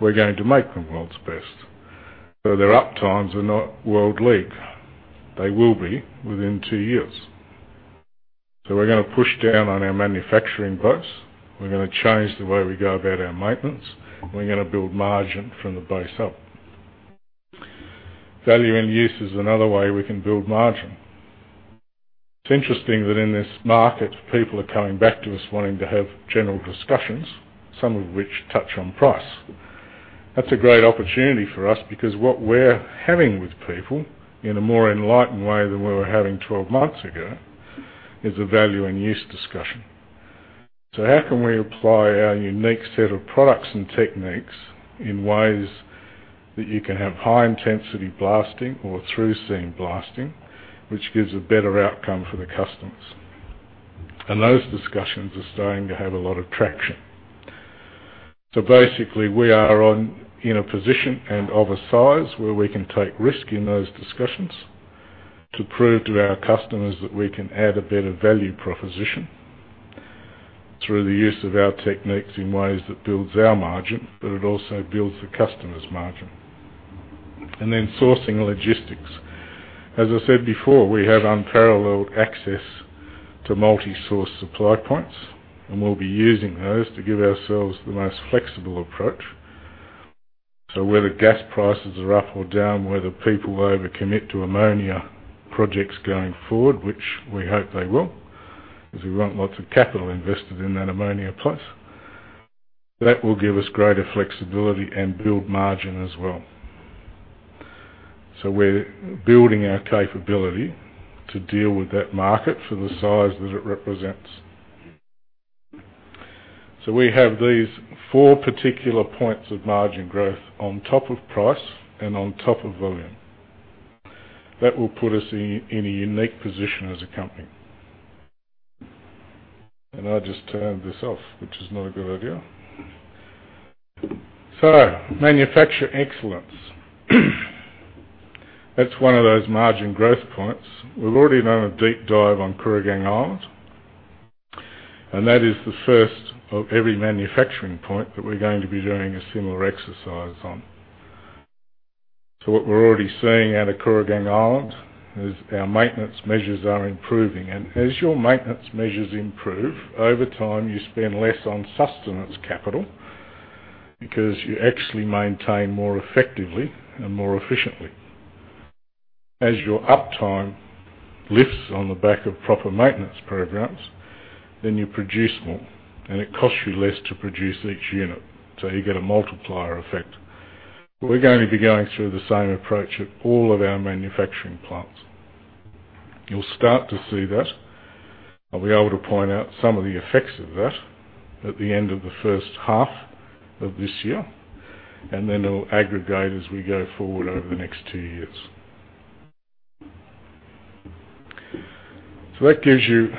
We're going to make them world's best. Their uptimes are not world-league. They will be within two years. We're going to push down on our manufacturing base. We're going to change the way we go about our maintenance. We're going to build margin from the base up. Value in use is another way we can build margin. It's interesting that in this market, people are coming back to us wanting to have general discussions, some of which touch on price. That's a great opportunity for us because what we're having with people in a more enlightened way than we were having 12 months ago is a value in use discussion. How can we apply our unique set of products and techniques in ways that you can have high-intensity blasting or through-seam blasting, which gives a better outcome for the customers? Those discussions are starting to have a lot of traction. Basically, we are in a position and of a size where we can take risk in those discussions to prove to our customers that we can add a better value proposition through the use of our techniques in ways that builds our margin, but it also builds the customer's margin. Then sourcing logistics. As I said before, we have unparalleled access to multi-source supply points, and we'll be using those to give ourselves the most flexible approach. Whether gas prices are up or down, whether people over-commit to ammonia projects going forward, which we hope they will, because we want lots of capital invested in that ammonia place, that will give us greater flexibility and build margin as well. We're building our capability to deal with that market for the size that it represents. We have these four particular points of margin growth on top of price and on top of volume. That will put us in a unique position as a company. I just turned this off, which is not a good idea. Manufacture excellence. That's one of those margin growth points. We've already done a deep dive on Kooragang Island, and that is the first of every manufacturing point that we're going to be doing a similar exercise on. What we're already seeing out of Kooragang Island is our maintenance measures are improving. As your maintenance measures improve, over time, you spend less on sustenance capital because you actually maintain more effectively and more efficiently. As your uptime lifts on the back of proper maintenance programs, you produce more, and it costs you less to produce each unit. You get a multiplier effect. We're going to be going through the same approach at all of our manufacturing plants. You'll start to see that. I'll be able to point out some of the effects of that at the end of the first half of this year, and then it'll aggregate as we go forward over the next two years. That gives you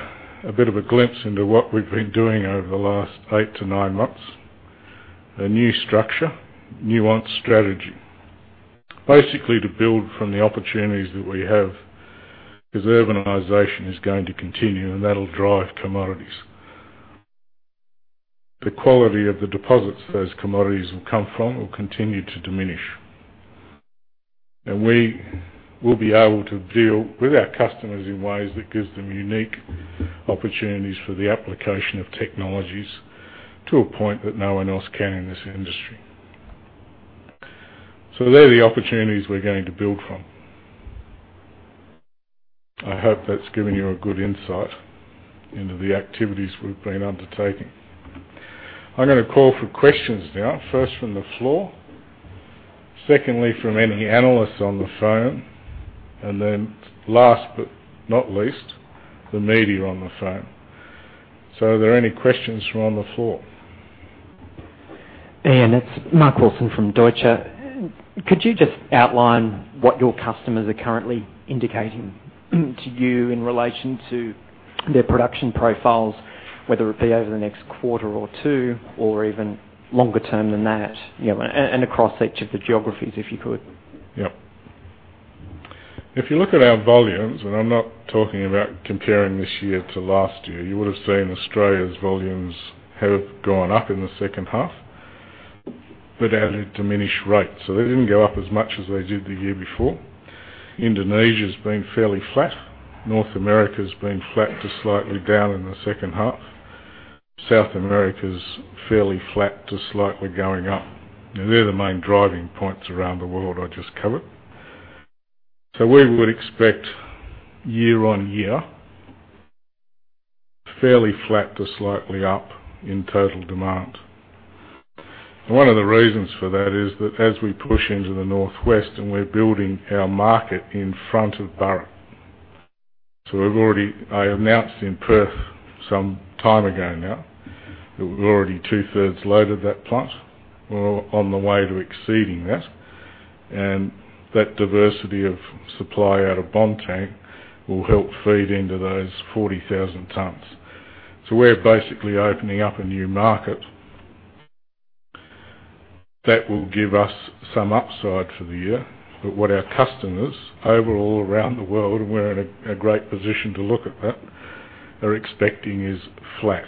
a bit of a glimpse into what we've been doing over the last eight to nine months. A new structure, nuanced strategy. Basically, to build from the opportunities that we have because urbanization is going to continue, and that'll drive commodities. The quality of the deposits those commodities will come from will continue to diminish. We will be able to deal with our customers in ways that gives them unique opportunities for the application of technologies to a point that no one else can in this industry. They're the opportunities we're going to build from. I hope that's given you a good insight into the activities we've been undertaking. I'm going to call for questions now, first from the floor, secondly, from any analysts on the phone, and then last but not least, the media on the phone. Are there any questions from on the floor? Ian, it's Mark Wilson from Deutsche. Could you just outline what your customers are currently indicating to you in relation to their production profiles, whether it be over the next quarter or two, or even longer term than that, and across each of the geographies, if you could? Yep. If you look at our volumes, I'm not talking about comparing this year to last year, you would've seen Australia's volumes have gone up in the second half but at a diminished rate. They didn't go up as much as they did the year before. Indonesia's been fairly flat. North America's been flat to slightly down in the second half. South America's fairly flat to slightly going up. They're the main driving points around the world I just covered. We would expect year on year, fairly flat to slightly up in total demand. One of the reasons for that is that as we push into the northwest and we're building our market in front of Burrup. I announced in Perth some time ago now that we're already two-thirds loaded that plant. We're on the way to exceeding that diversity of supply out of Bontang will help feed into those 40,000 tons. We're basically opening up a new market. That will give us some upside for the year. What our customers overall around the world, and we're in a great position to look at that, are expecting is flat.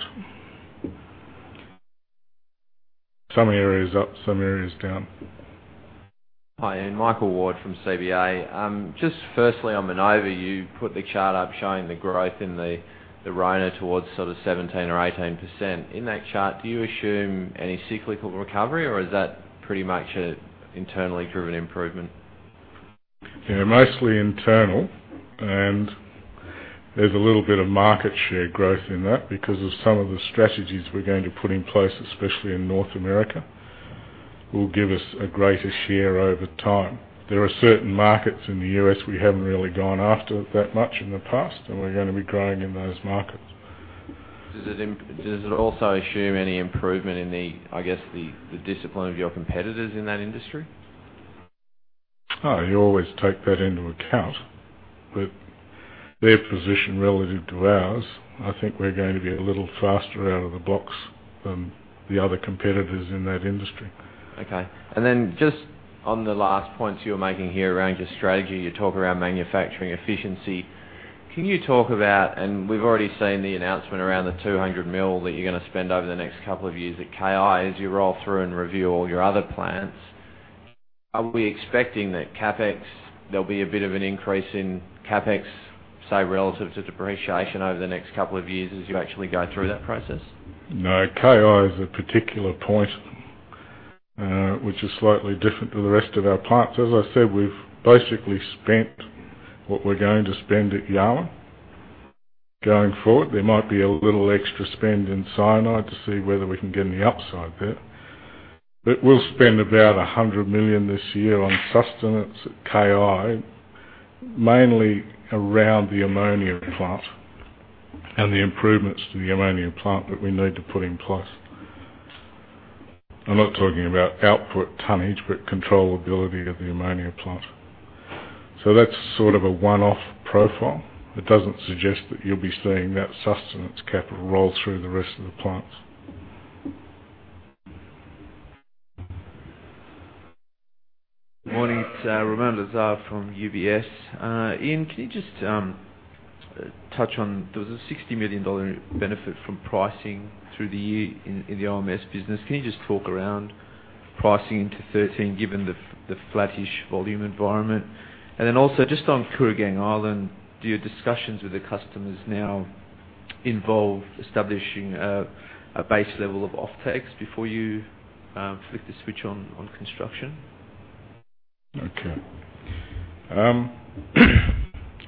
Some areas up, some areas down. Hi, Ian. Michael Ward from CBA. Just firstly on Minova, you put the chart up showing the growth in the RONA towards sort of 17% or 18%. In that chart, do you assume any cyclical recovery or is that pretty much an internally driven improvement? Yeah, mostly internal. There's a little bit of market share growth in that because of some of the strategies we're going to put in place, especially in North America, will give us a greater share over time. There are certain markets in the U.S. we haven't really gone after that much in the past. We're going to be growing in those markets. Does it also assume any improvement in the discipline of your competitors in that industry? You always take that into account. Their position relative to ours, I think we're going to be a little faster out of the blocks than the other competitors in that industry. Okay. Just on the last points you were making here around your strategy, you talk around manufacturing efficiency. Can you talk about? We've already seen the announcement around the 200 million that you're going to spend over the next couple of years at KI as you roll through and review all your other plants. Are we expecting that CapEx, there'll be a bit of an increase in CapEx, say, relative to depreciation over the next couple of years as you actually go through that process? KI is a particular point, which is slightly different to the rest of our plants. As I said, we've basically spent what we're going to spend at Yarwun. Going forward, there might be a little extra spend in cyanide to see whether we can get any upside there. We'll spend about 100 million this year on sustenance at KI, mainly around the ammonia plant and the improvements to the ammonia plant that we need to put in place. I'm not talking about output tonnage, but controllability of the ammonia plant. That's sort of a one-off profile, that doesn't suggest that you'll be seeing that sustenance capital roll through the rest of the plants. Morning, it's Ramoun Lazar from UBS. Ian, can you just touch on, there was an 60 million dollar benefit from pricing through the year in the OMS business. Can you just talk around pricing into 2013 given the flattish volume environment? Also just on Kooragang Island, do your discussions with the customers now involve establishing a base level of offtakes before you flip the switch on construction?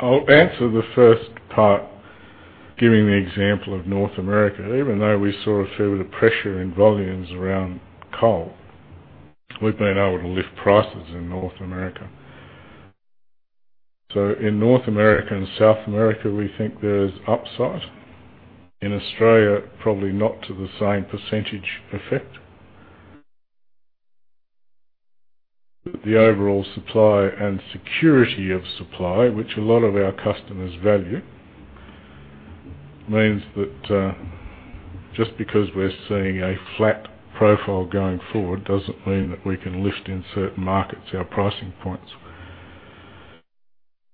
I'll answer the first part, giving the example of North America. Even though we sort of feel the pressure in volumes around coal, we've been able to lift prices in North America. In North America and South America, we think there's upside. In Australia, probably not to the same percentage effect. The overall supply and security of supply, which a lot of our customers value, means that just because we're seeing a flat profile going forward doesn't mean that we can lift in certain markets our pricing points.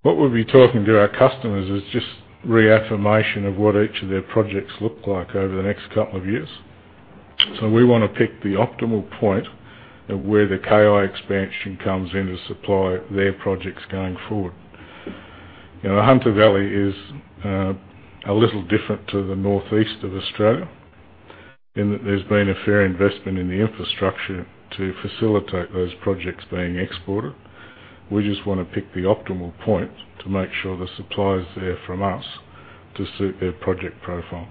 What we'll be talking to our customers is just reaffirmation of what each of their projects look like over the next couple of years. We want to pick the optimal point at where the KI expansion comes in to supply their projects going forward. Hunter Valley is a little different to the northeast of Australia, in that there's been a fair investment in the infrastructure to facilitate those projects being exported. We just want to pick the optimal point to make sure the supply is there from us to suit their project profile.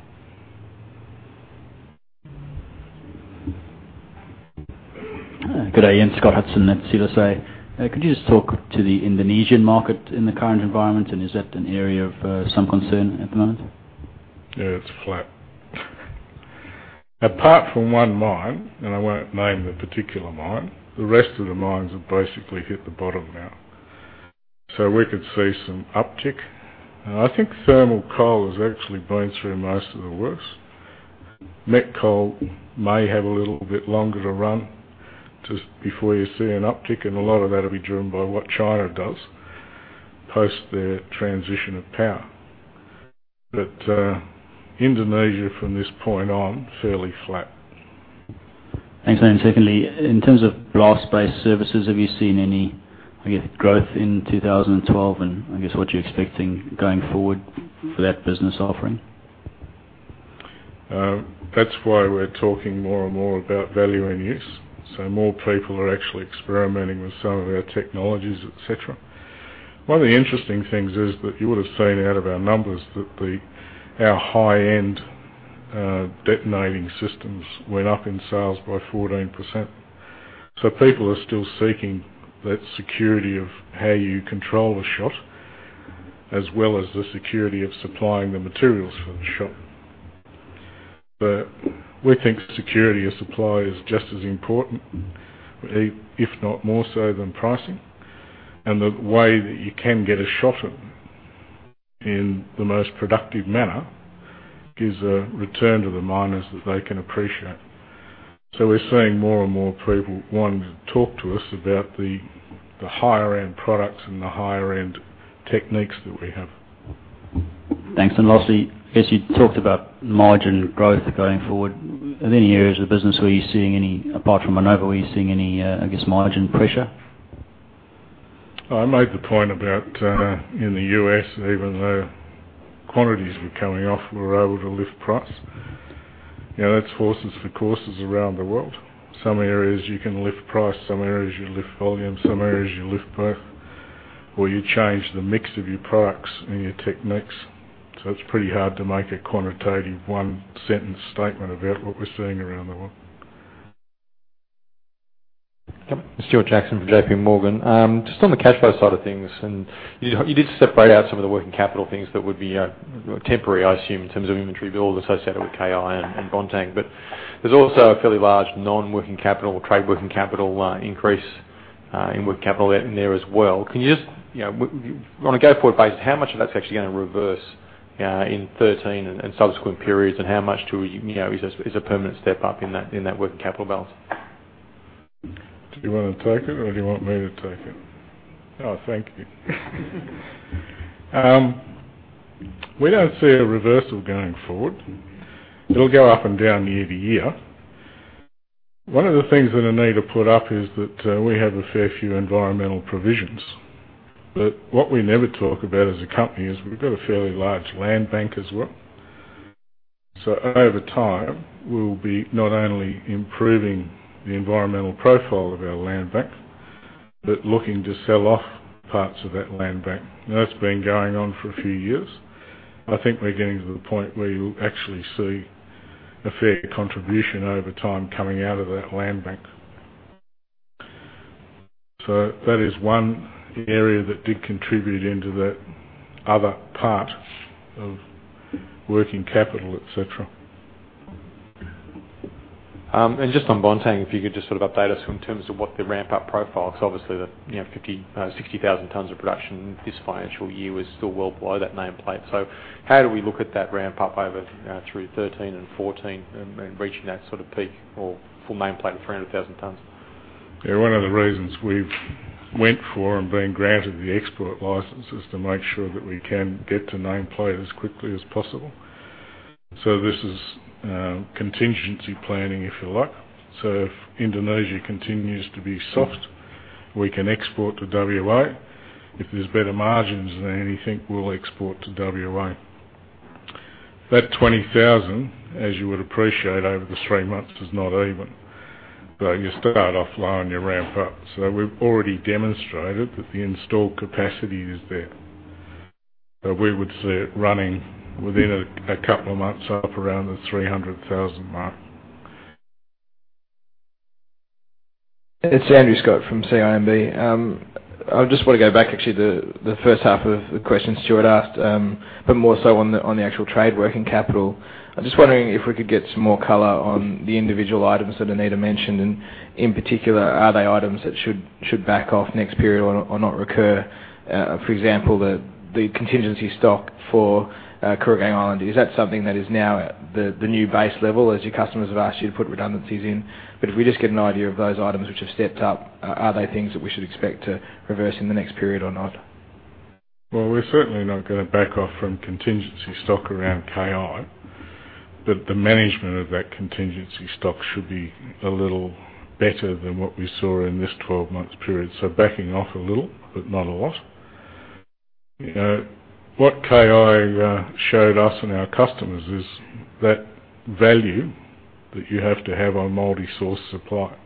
Good day, Ian. Scott Hudson at CLSA. Could you just talk to the Indonesian market in the current environment, and is that an area of some concern at the moment? Yeah, it's flat. Apart from one mine, and I won't name the particular mine, the rest of the mines have basically hit the bottom now. We could see some uptick. I think thermal coal has actually been through most of the worst. Met coal may have a little bit longer to run just before you see an uptick, and a lot of that will be driven by what China does post their transition of power. Indonesia from this point on, fairly flat. Thanks. Secondly, in terms of blast-based services, have you seen any, I guess, growth in 2012, and I guess what you're expecting going forward for that business offering? That's why we're talking more and more about value in use. More people are actually experimenting with some of our technologies, et cetera. One of the interesting things is that you would have seen out of our numbers that our high-end detonating systems went up in sales by 14%. People are still seeking that security of how you control the shot, as well as the security of supplying the materials for the shot. We think security of supply is just as important, if not more so than pricing. The way that you can get a shot at it in the most productive manner gives a return to the miners that they can appreciate. We're seeing more and more people wanting to talk to us about the higher-end products and the higher-end techniques that we have. Thanks. Lastly, I guess you talked about margin growth going forward. Are there any areas of the business, apart from Minova, where you're seeing any, I guess, margin pressure? I made the point about, in the U.S., even though quantities were coming off, we were able to lift price. That's horses for courses around the world. Some areas you can lift price, some areas you lift volume, some areas you lift both, or you change the mix of your products and your techniques. It's pretty hard to make a quantitative one-sentence statement about what we're seeing around the world. Yep. Stuart Jackson from JP Morgan. Just on the cash flow side of things, you did separate out some of the working capital things that would be temporary, I assume, in terms of inventory build associated with KI and Bontang. There's also a fairly large non-working capital or trade working capital increase in working capital in there as well. On a go-forward basis, how much of that's actually going to reverse in 2013 and subsequent periods, and how much do we is a permanent step-up in that working capital balance? Do you want to take it or do you want me to take it? Oh, thank you. We don't see a reversal going forward. It'll go up and down year to year. One of the things that Anita put up is that we have a fair few environmental provisions. What we never talk about as a company is we've got a fairly large land bank as well. Over time, we'll be not only improving the environmental profile of our land bank, but looking to sell off parts of that land bank. That's been going on for a few years. I think we're getting to the point where you'll actually see a fair contribution over time coming out of that land bank. That is one area that did contribute into that other part of working capital, et cetera. Just on Bontang, if you could just update us in terms of what the ramp-up profile, because obviously the 60,000 tons of production this financial year was still well below that nameplate. How do we look at that ramp-up over through 2013 and 2014 and reaching that peak or full nameplate of 300,000 tons? One of the reasons we've went for and been granted the export license is to make sure that we can get to nameplate as quickly as possible. This is contingency planning, if you like. If Indonesia continues to be soft, we can export to WA. If there's better margins than anything, we'll export to WA. That 20,000, as you would appreciate over the three months, is not even. You start off low and you ramp up. We've already demonstrated that the installed capacity is there. We would see it running within a couple of months up around the 300,000 mark. It's Andrew Scott from CIMB. I just want to go back actually to the first half of the question Stuart asked, but more so on the actual trade working capital. I'm just wondering if we could get some more color on the individual items that Anita mentioned, and in particular, are they items that should back off next period or not recur? For example, the contingency stock for Kooragang Island. Is that something that is now at the new base level as your customers have asked you to put redundancies in? If we just get an idea of those items which have stepped up, are they things that we should expect to reverse in the next period or not? We're certainly not going to back off from contingency stock around KI, the management of that contingency stock should be a little better than what we saw in this 12 months period. Backing off a little, not a lot. What KI showed us and our customers is that value that you have to have a multi-source supply,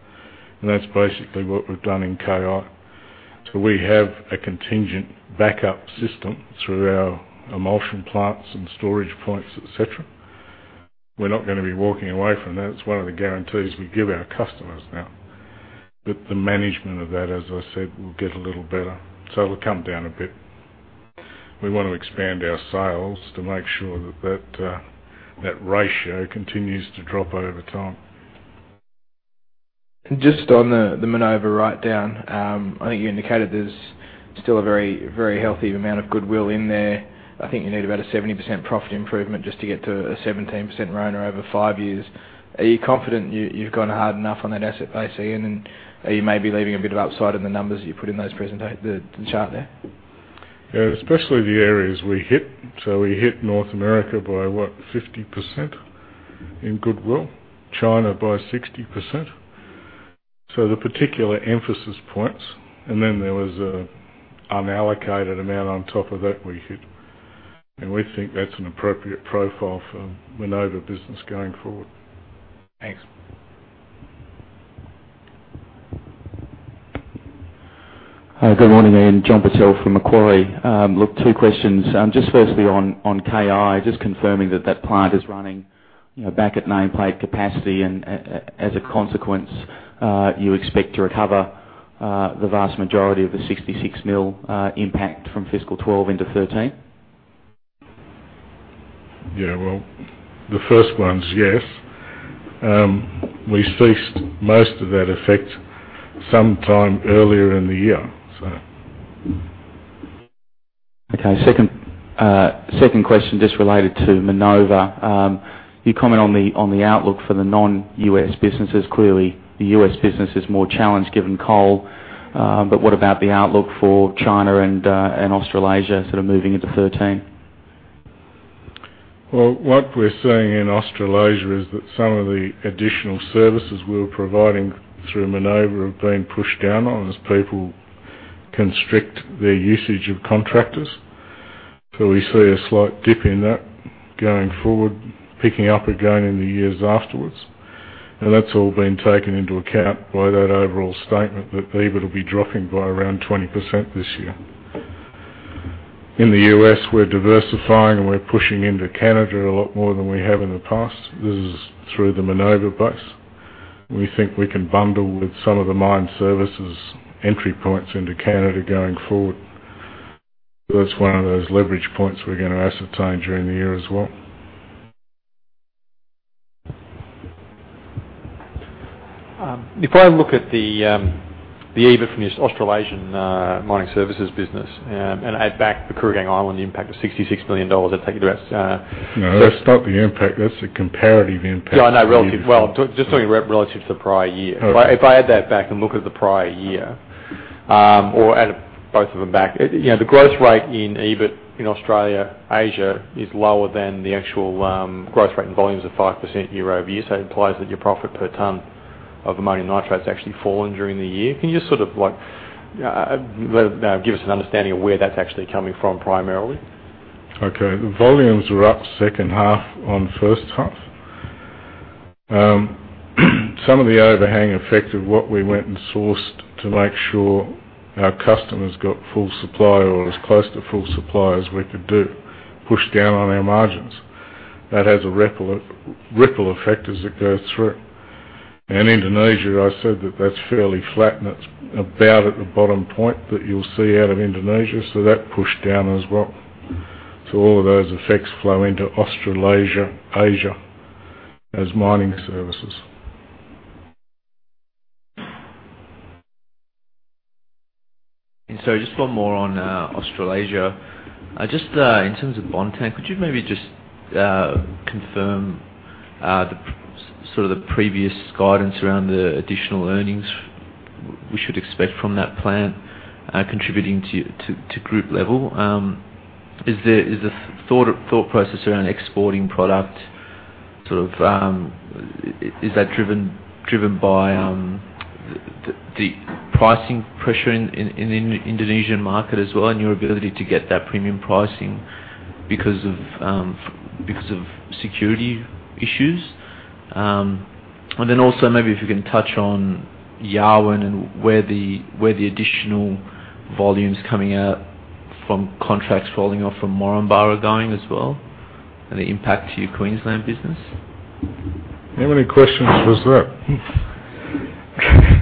and that's basically what we've done in KI. We have a contingent backup system through our emulsion plants and storage points, et cetera. We're not going to be walking away from that. It's one of the guarantees we give our customers now. The management of that, as I said, will get a little better. It'll come down a bit. We want to expand our sales to make sure that that ratio continues to drop over time. Just on the Minova writedown, I think you indicated there's still a very healthy amount of goodwill in there. I think you need about a 70% profit improvement just to get to a 17% return over five years. Are you confident you've gone hard enough on that asset base, Ian, and are you maybe leaving a bit of upside in the numbers that you put in the chart there? Yeah, especially the areas we hit. So we hit North America by, what, 50% in goodwill, China by 60%. So the particular emphasis points. And then there was an unallocated amount on top of that we hit, and we think that's an appropriate profile for Minova business going forward. Thanks. Hi, good morning, Ian. John Purtell from Macquarie. Look, two questions. Just firstly on KI, just confirming that that plant is running back at nameplate capacity and as a consequence, you expect to recover the vast majority of the 66 million impact from fiscal 2012 into 2013? Yeah. Well, the first one's yes. We faced most of that effect sometime earlier in the year. Okay. Second question, just related to Minova. You comment on the outlook for the non-U.S. businesses. Clearly, the U.S. business is more challenged given coal. What about the outlook for China and Australasia moving into 2013? Well, what we're seeing in Australasia is that some of the additional services we were providing through Minova have been pushed down on as people constrict their usage of contractors. We see a slight dip in that going forward, picking up again in the years afterwards. That's all been taken into account by that overall statement that EBIT will be dropping by around 20% this year. In the U.S., we're diversifying and we're pushing into Canada a lot more than we have in the past. This is through the Minova base. We think we can bundle with some of the mine services entry points into Canada going forward. That's one of those leverage points we're going to ascertain during the year as well. If I look at the EBIT from your Australasian mining services business and add back the Kooragang Island impact of 66 million dollars, that'd take it to about. No, that's not the impact. That's a comparative impact. Yeah, I know, relative. Well, just talking relative to the prior year. Okay. If I add that back and look at the prior year, or add both of them back, the growth rate in EBIT in Australasia-Asia is lower than the actual growth rate in volumes of 5% year-over-year. It implies that your profit per ton of ammonium nitrate's actually fallen during the year. Can you just give us an understanding of where that's actually coming from primarily? Okay. The volumes were up second half on first half. Some of the overhang effect of what we went and sourced to make sure our customers got full supply or as close to full supply as we could do, pushed down on our margins. That has a ripple effect as it goes through. Indonesia, I said that that's fairly flat and it's about at the bottom point that you'll see out of Indonesia, so that pushed down as well. All of those effects flow into Australasia-Asia as mining services. Just one more on Australasia. Just in terms of Bontang, could you maybe just confirm the previous guidance around the additional earnings we should expect from that plant contributing to group level? Is the thought process around exporting product, is that driven by the pricing pressure in the Indonesian market as well and your ability to get that premium pricing because of security issues? Also maybe if you can touch on Yarwun and where the additional volumes coming out from contracts falling off from Moranbah are going as well, and the impact to your Queensland business. How many questions was that?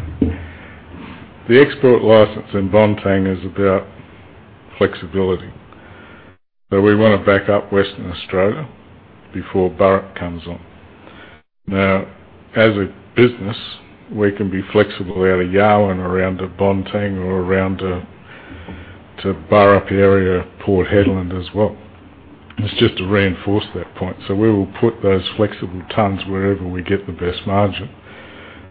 The export license in Bontang is about flexibility. We want to back up Western Australia before Burrup comes on. As a business, we can be flexible out of Yarwun around to Bontang or around to Burrup area, Port Hedland as well. It's just to reinforce that point. We will put those flexible tonnes wherever we get the best margin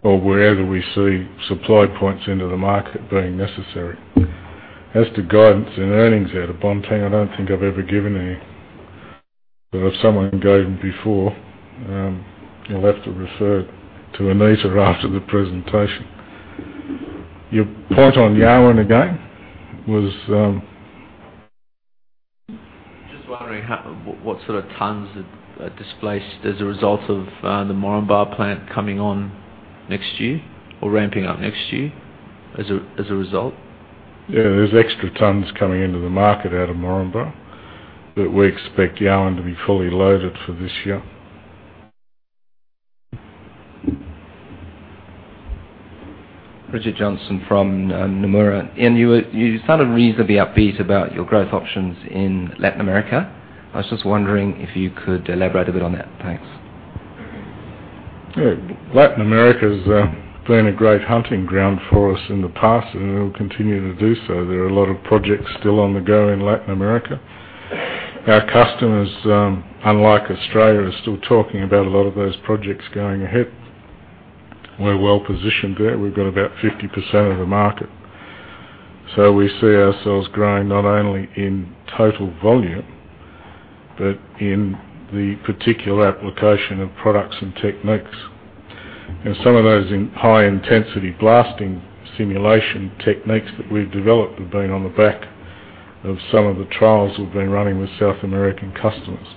or wherever we see supply points into the market being necessary. As to guidance and earnings out of Bontang, I don't think I've ever given any. If someone gave them before, you'll have to refer to Anita after the presentation. Your point on Yarwun again was? Just wondering what sort of tonnes are displaced as a result of the Moranbah plant coming on next year or ramping up next year as a result. Yeah, there's extra tonnes coming into the market out of Moranbah, we expect Yarwun to be fully loaded for this year. Richard Johnson from Nomura. Ian, you sounded reasonably upbeat about your growth options in Latin America. I was just wondering if you could elaborate a bit on that. Thanks. Yeah. Latin America's been a great hunting ground for us in the past, and it'll continue to do so. There are a lot of projects still on the go in Latin America. Our customers, unlike Australia, are still talking about a lot of those projects going ahead. We're well-positioned there. We've got about 50% of the market. We see ourselves growing not only in total volume but in the particular application of products and techniques. Some of those in high-intensity blasting simulation techniques that we've developed have been on the back of some of the trials we've been running with South American customers.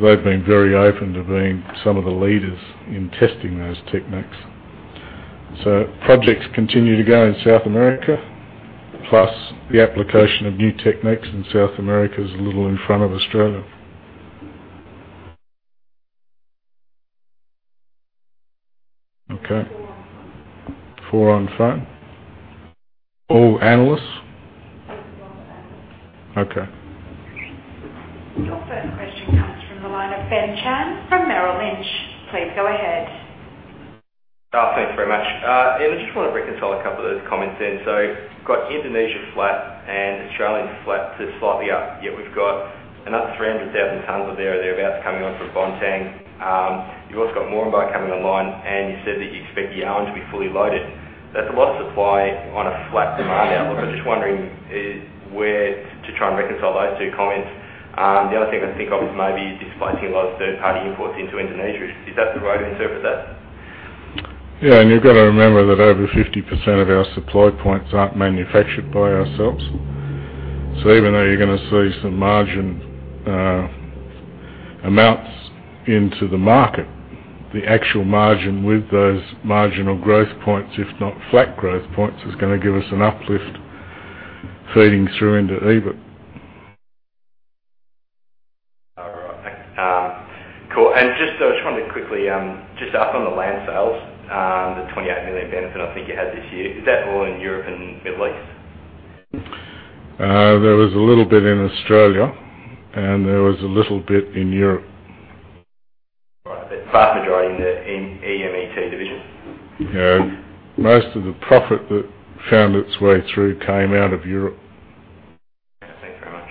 They've been very open to being some of the leaders in testing those techniques. Projects continue to go in South America, plus the application of new techniques in South America is a little in front of Australia. Okay. Four on phone? All analysts? Yes, all analysts. Okay. Your first question comes from the line of Ben Chan from Merrill Lynch. Please go ahead. Thanks very much. Ian, I just want to reconcile a couple of those comments then. You've got Indonesia flat and Australian flat to slightly up, yet we've got another 300,000 tonnes or thereabouts coming on from Bontang. You've also got Moranbah coming online, and you said that you expect Yarwun to be fully loaded. That's a lot of supply on a flat demand outlook. I'm just wondering where to try and reconcile those two comments. The other thing I can think of is maybe displacing a lot of third-party imports into Indonesia. Is that the right way to interpret that? You've got to remember that over 50% of our supply points aren't manufactured by ourselves. Even though you're going to see some margin amounts into the market, the actual margin with those marginal growth points, if not flat growth points, is going to give us an uplift feeding through into EBIT. All right. Cool. Just trying to quickly, just up on the land sales, the 28 million benefit I think you had this year, is that all in Europe and Middle East? There was a little bit in Australia and there was a little bit in Europe. Right. Vast majority in the EMEA division? Yeah. Most of the profit that found its way through came out of Europe. Thanks very much.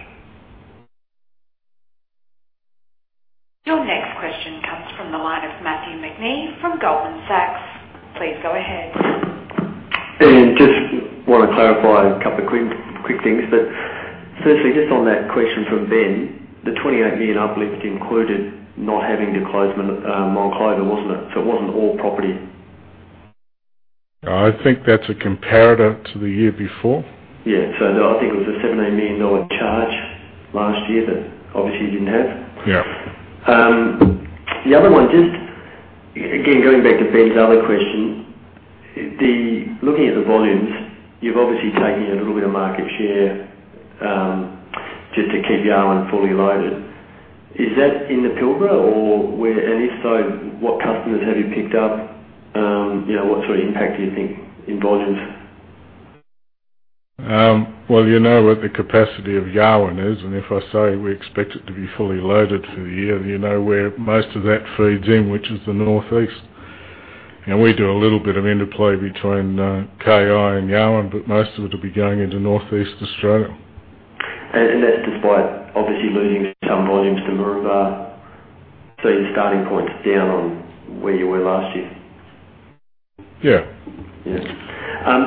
Your next question comes from the line of Matthew McNee from Goldman Sachs. Please go ahead. Ian, just want to clarify a couple of quick things. Firstly, just on that question from Ben, the 28 million uplift included not having the close Monclova, wasn't it? It wasn't all property. I think that's a comparator to the year before. Yeah. No, I think it was an 17 million dollar charge last year that obviously you didn't have. Yeah. The other one, just, again, going back to Ben's other question, looking at the volumes, you've obviously taken a little bit of market share, just to keep Yarwun fully loaded. Is that in the Pilbara? If so, what customers have you picked up? What sort of impact do you think in volumes? Well, you know what the capacity of Yarwun is, and if I say we expect it to be fully loaded for the year, you know where most of that feeds in, which is the Northeast. We do a little bit of interplay between KI and Yarwun, but most of it will be going into Northeast Australia. That's despite obviously losing some volumes to Moranbah. Your starting point's down on where you were last year. Yeah.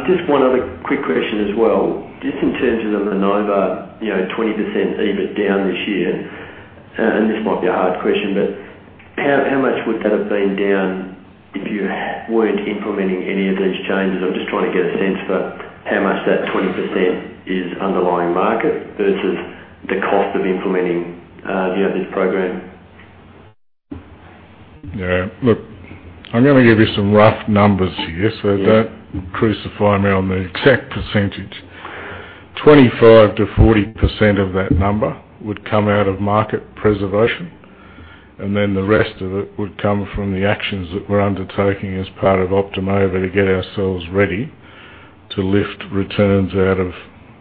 Just one other quick question as well. Just in terms of the Minova 20% EBIT down this year. This might be a hard question, but how much would that have been down if you weren't implementing any of these changes? I'm just trying to get a sense for how much that 20% is underlying market versus the cost of implementing this program. Look, I'm going to give you some rough numbers here. Yeah Don't crucify me on the exact percentage. 25%-40% of that number would come out of market preservation. Then the rest of it would come from the actions that we're undertaking as part of Optima to get ourselves ready to lift returns out of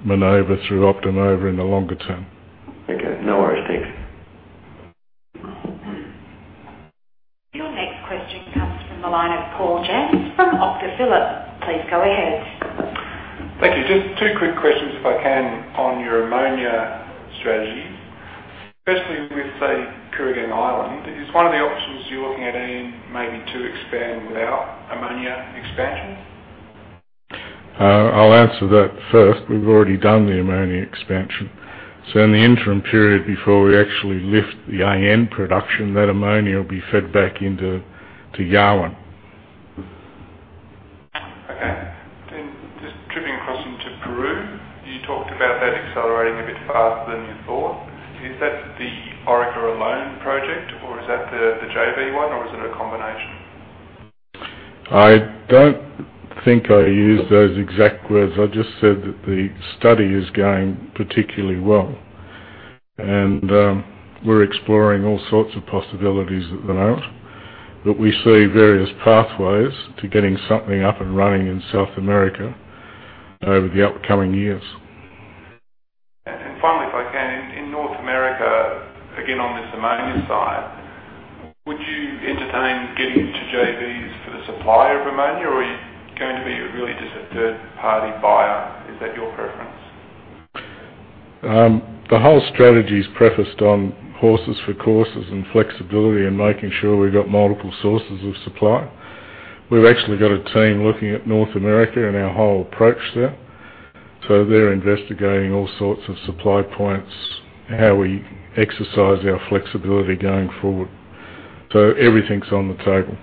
Minova through Optima in the longer term. Okay. No worries. Thanks. Your next question comes from the line of Paul Jensz from PhillipCapital. Please go ahead. Thank you. Just two quick questions if I can, on your ammonia strategy. Firstly, with, say, Kooragang Island, is one of the options you're looking at, Ian, maybe to expand without ammonia expansion? I'll answer that first. We've already done the ammonia expansion. In the interim period before we actually lift the AN production, that ammonia will be fed back into Yarwun. Okay. Just tripping across into Peru, you talked about that accelerating a bit faster than you thought. Is that the Orica alone project or is that the JV one or is it a combination? I don't think I used those exact words. I just said that the study is going particularly well, and we're exploring all sorts of possibilities at the moment. We see various pathways to getting something up and running in South America over the upcoming years. Finally, if I can, in North America, again, on this ammonia side, would you entertain getting into JVs for the supply of ammonia, or are you going to be really just a third-party buyer? Is that your preference? The whole strategy is prefaced on horses for courses and flexibility and making sure we've got multiple sources of supply. We've actually got a team looking at North America and our whole approach there. They're investigating all sorts of supply points, how we exercise our flexibility going forward. Everything's on the table.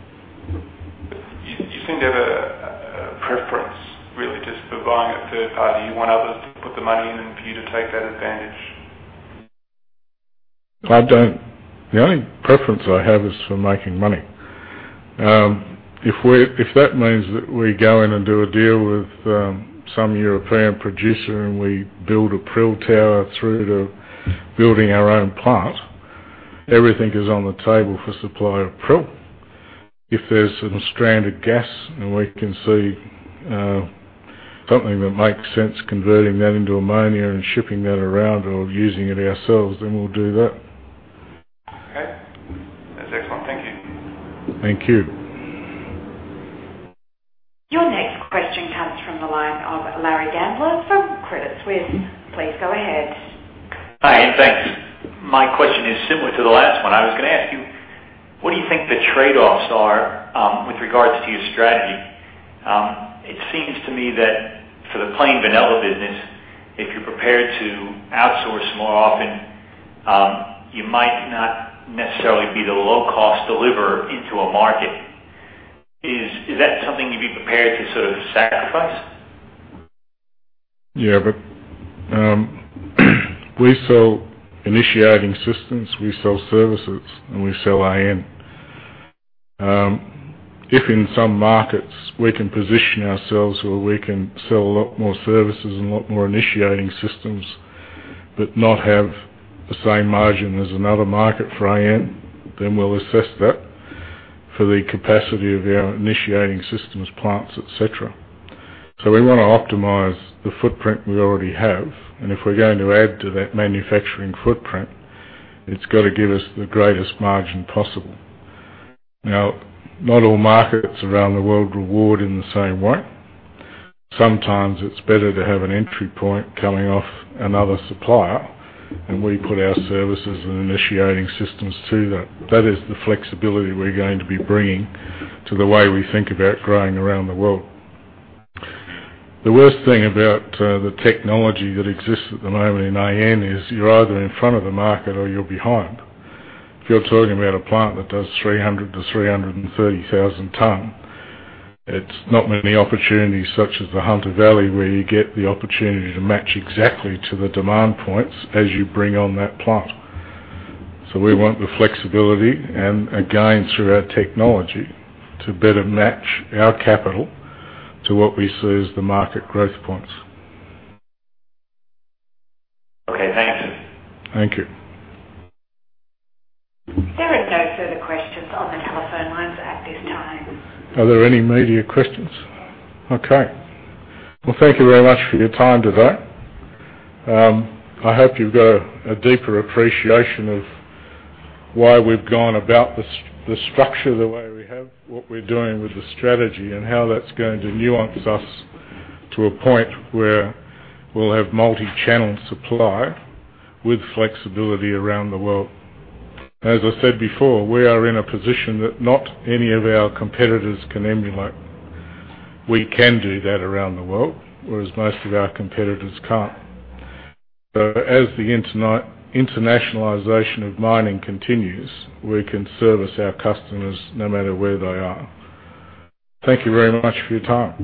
You seem to have a preference, really just for buying a third party. You want others to put the money in and for you to take that advantage. I don't. The only preference I have is for making money. If that means that we go in and do a deal with some European producer and we build a prill tower through to building our own plant. Everything is on the table for supply of prill. If there's some stranded gas and we can see something that makes sense converting that into ammonia and shipping that around or using it ourselves, we'll do that. Okay. That's excellent. Thank you. Thank you. Your next question comes from the line of Leroy Gonsalves from Credit Suisse. Please go ahead. Hi. Thanks. My question is similar to the last one. I was going to ask you, what do you think the trade-offs are with regards to your strategy? It seems to me that for the plain vanilla business, if you're prepared to outsource more often, you might not necessarily be the low-cost deliverer into a market. Is that something you'd be prepared to sacrifice? Yeah. We sell initiating systems, we sell services, and we sell AN. If in some markets we can position ourselves where we can sell a lot more services and a lot more initiating systems but not have the same margin as another market for AN, we'll assess that for the capacity of our initiating systems, plants, et cetera. We want to optimize the footprint we already have, and if we're going to add to that manufacturing footprint, it's got to give us the greatest margin possible. Now, not all markets around the world reward in the same way. Sometimes it's better to have an entry point coming off another supplier, and we put our services and initiating systems to that. That is the flexibility we're going to be bringing to the way we think about growing around the world. The worst thing about the technology that exists at the moment in AN is you're either in front of the market or you're behind. If you're talking about a plant that does 300 to 330,000 tons, it's not many opportunities such as the Hunter Valley where you get the opportunity to match exactly to the demand points as you bring on that plant. We want the flexibility and, again, through our technology, to better match our capital to what we see as the market growth points. Okay. Thanks. Thank you. There are no further questions on the telephone lines at this time. Are there any media questions? Okay. Well, thank you very much for your time today. I hope you've got a deeper appreciation of why we've gone about the structure the way we have, what we're doing with the strategy, and how that's going to nuance us to a point where we'll have multi-channel supply with flexibility around the world. As I said before, we are in a position that not any of our competitors can emulate. We can do that around the world, whereas most of our competitors can't. As the internationalization of mining continues, we can service our customers no matter where they are. Thank you very much for your time.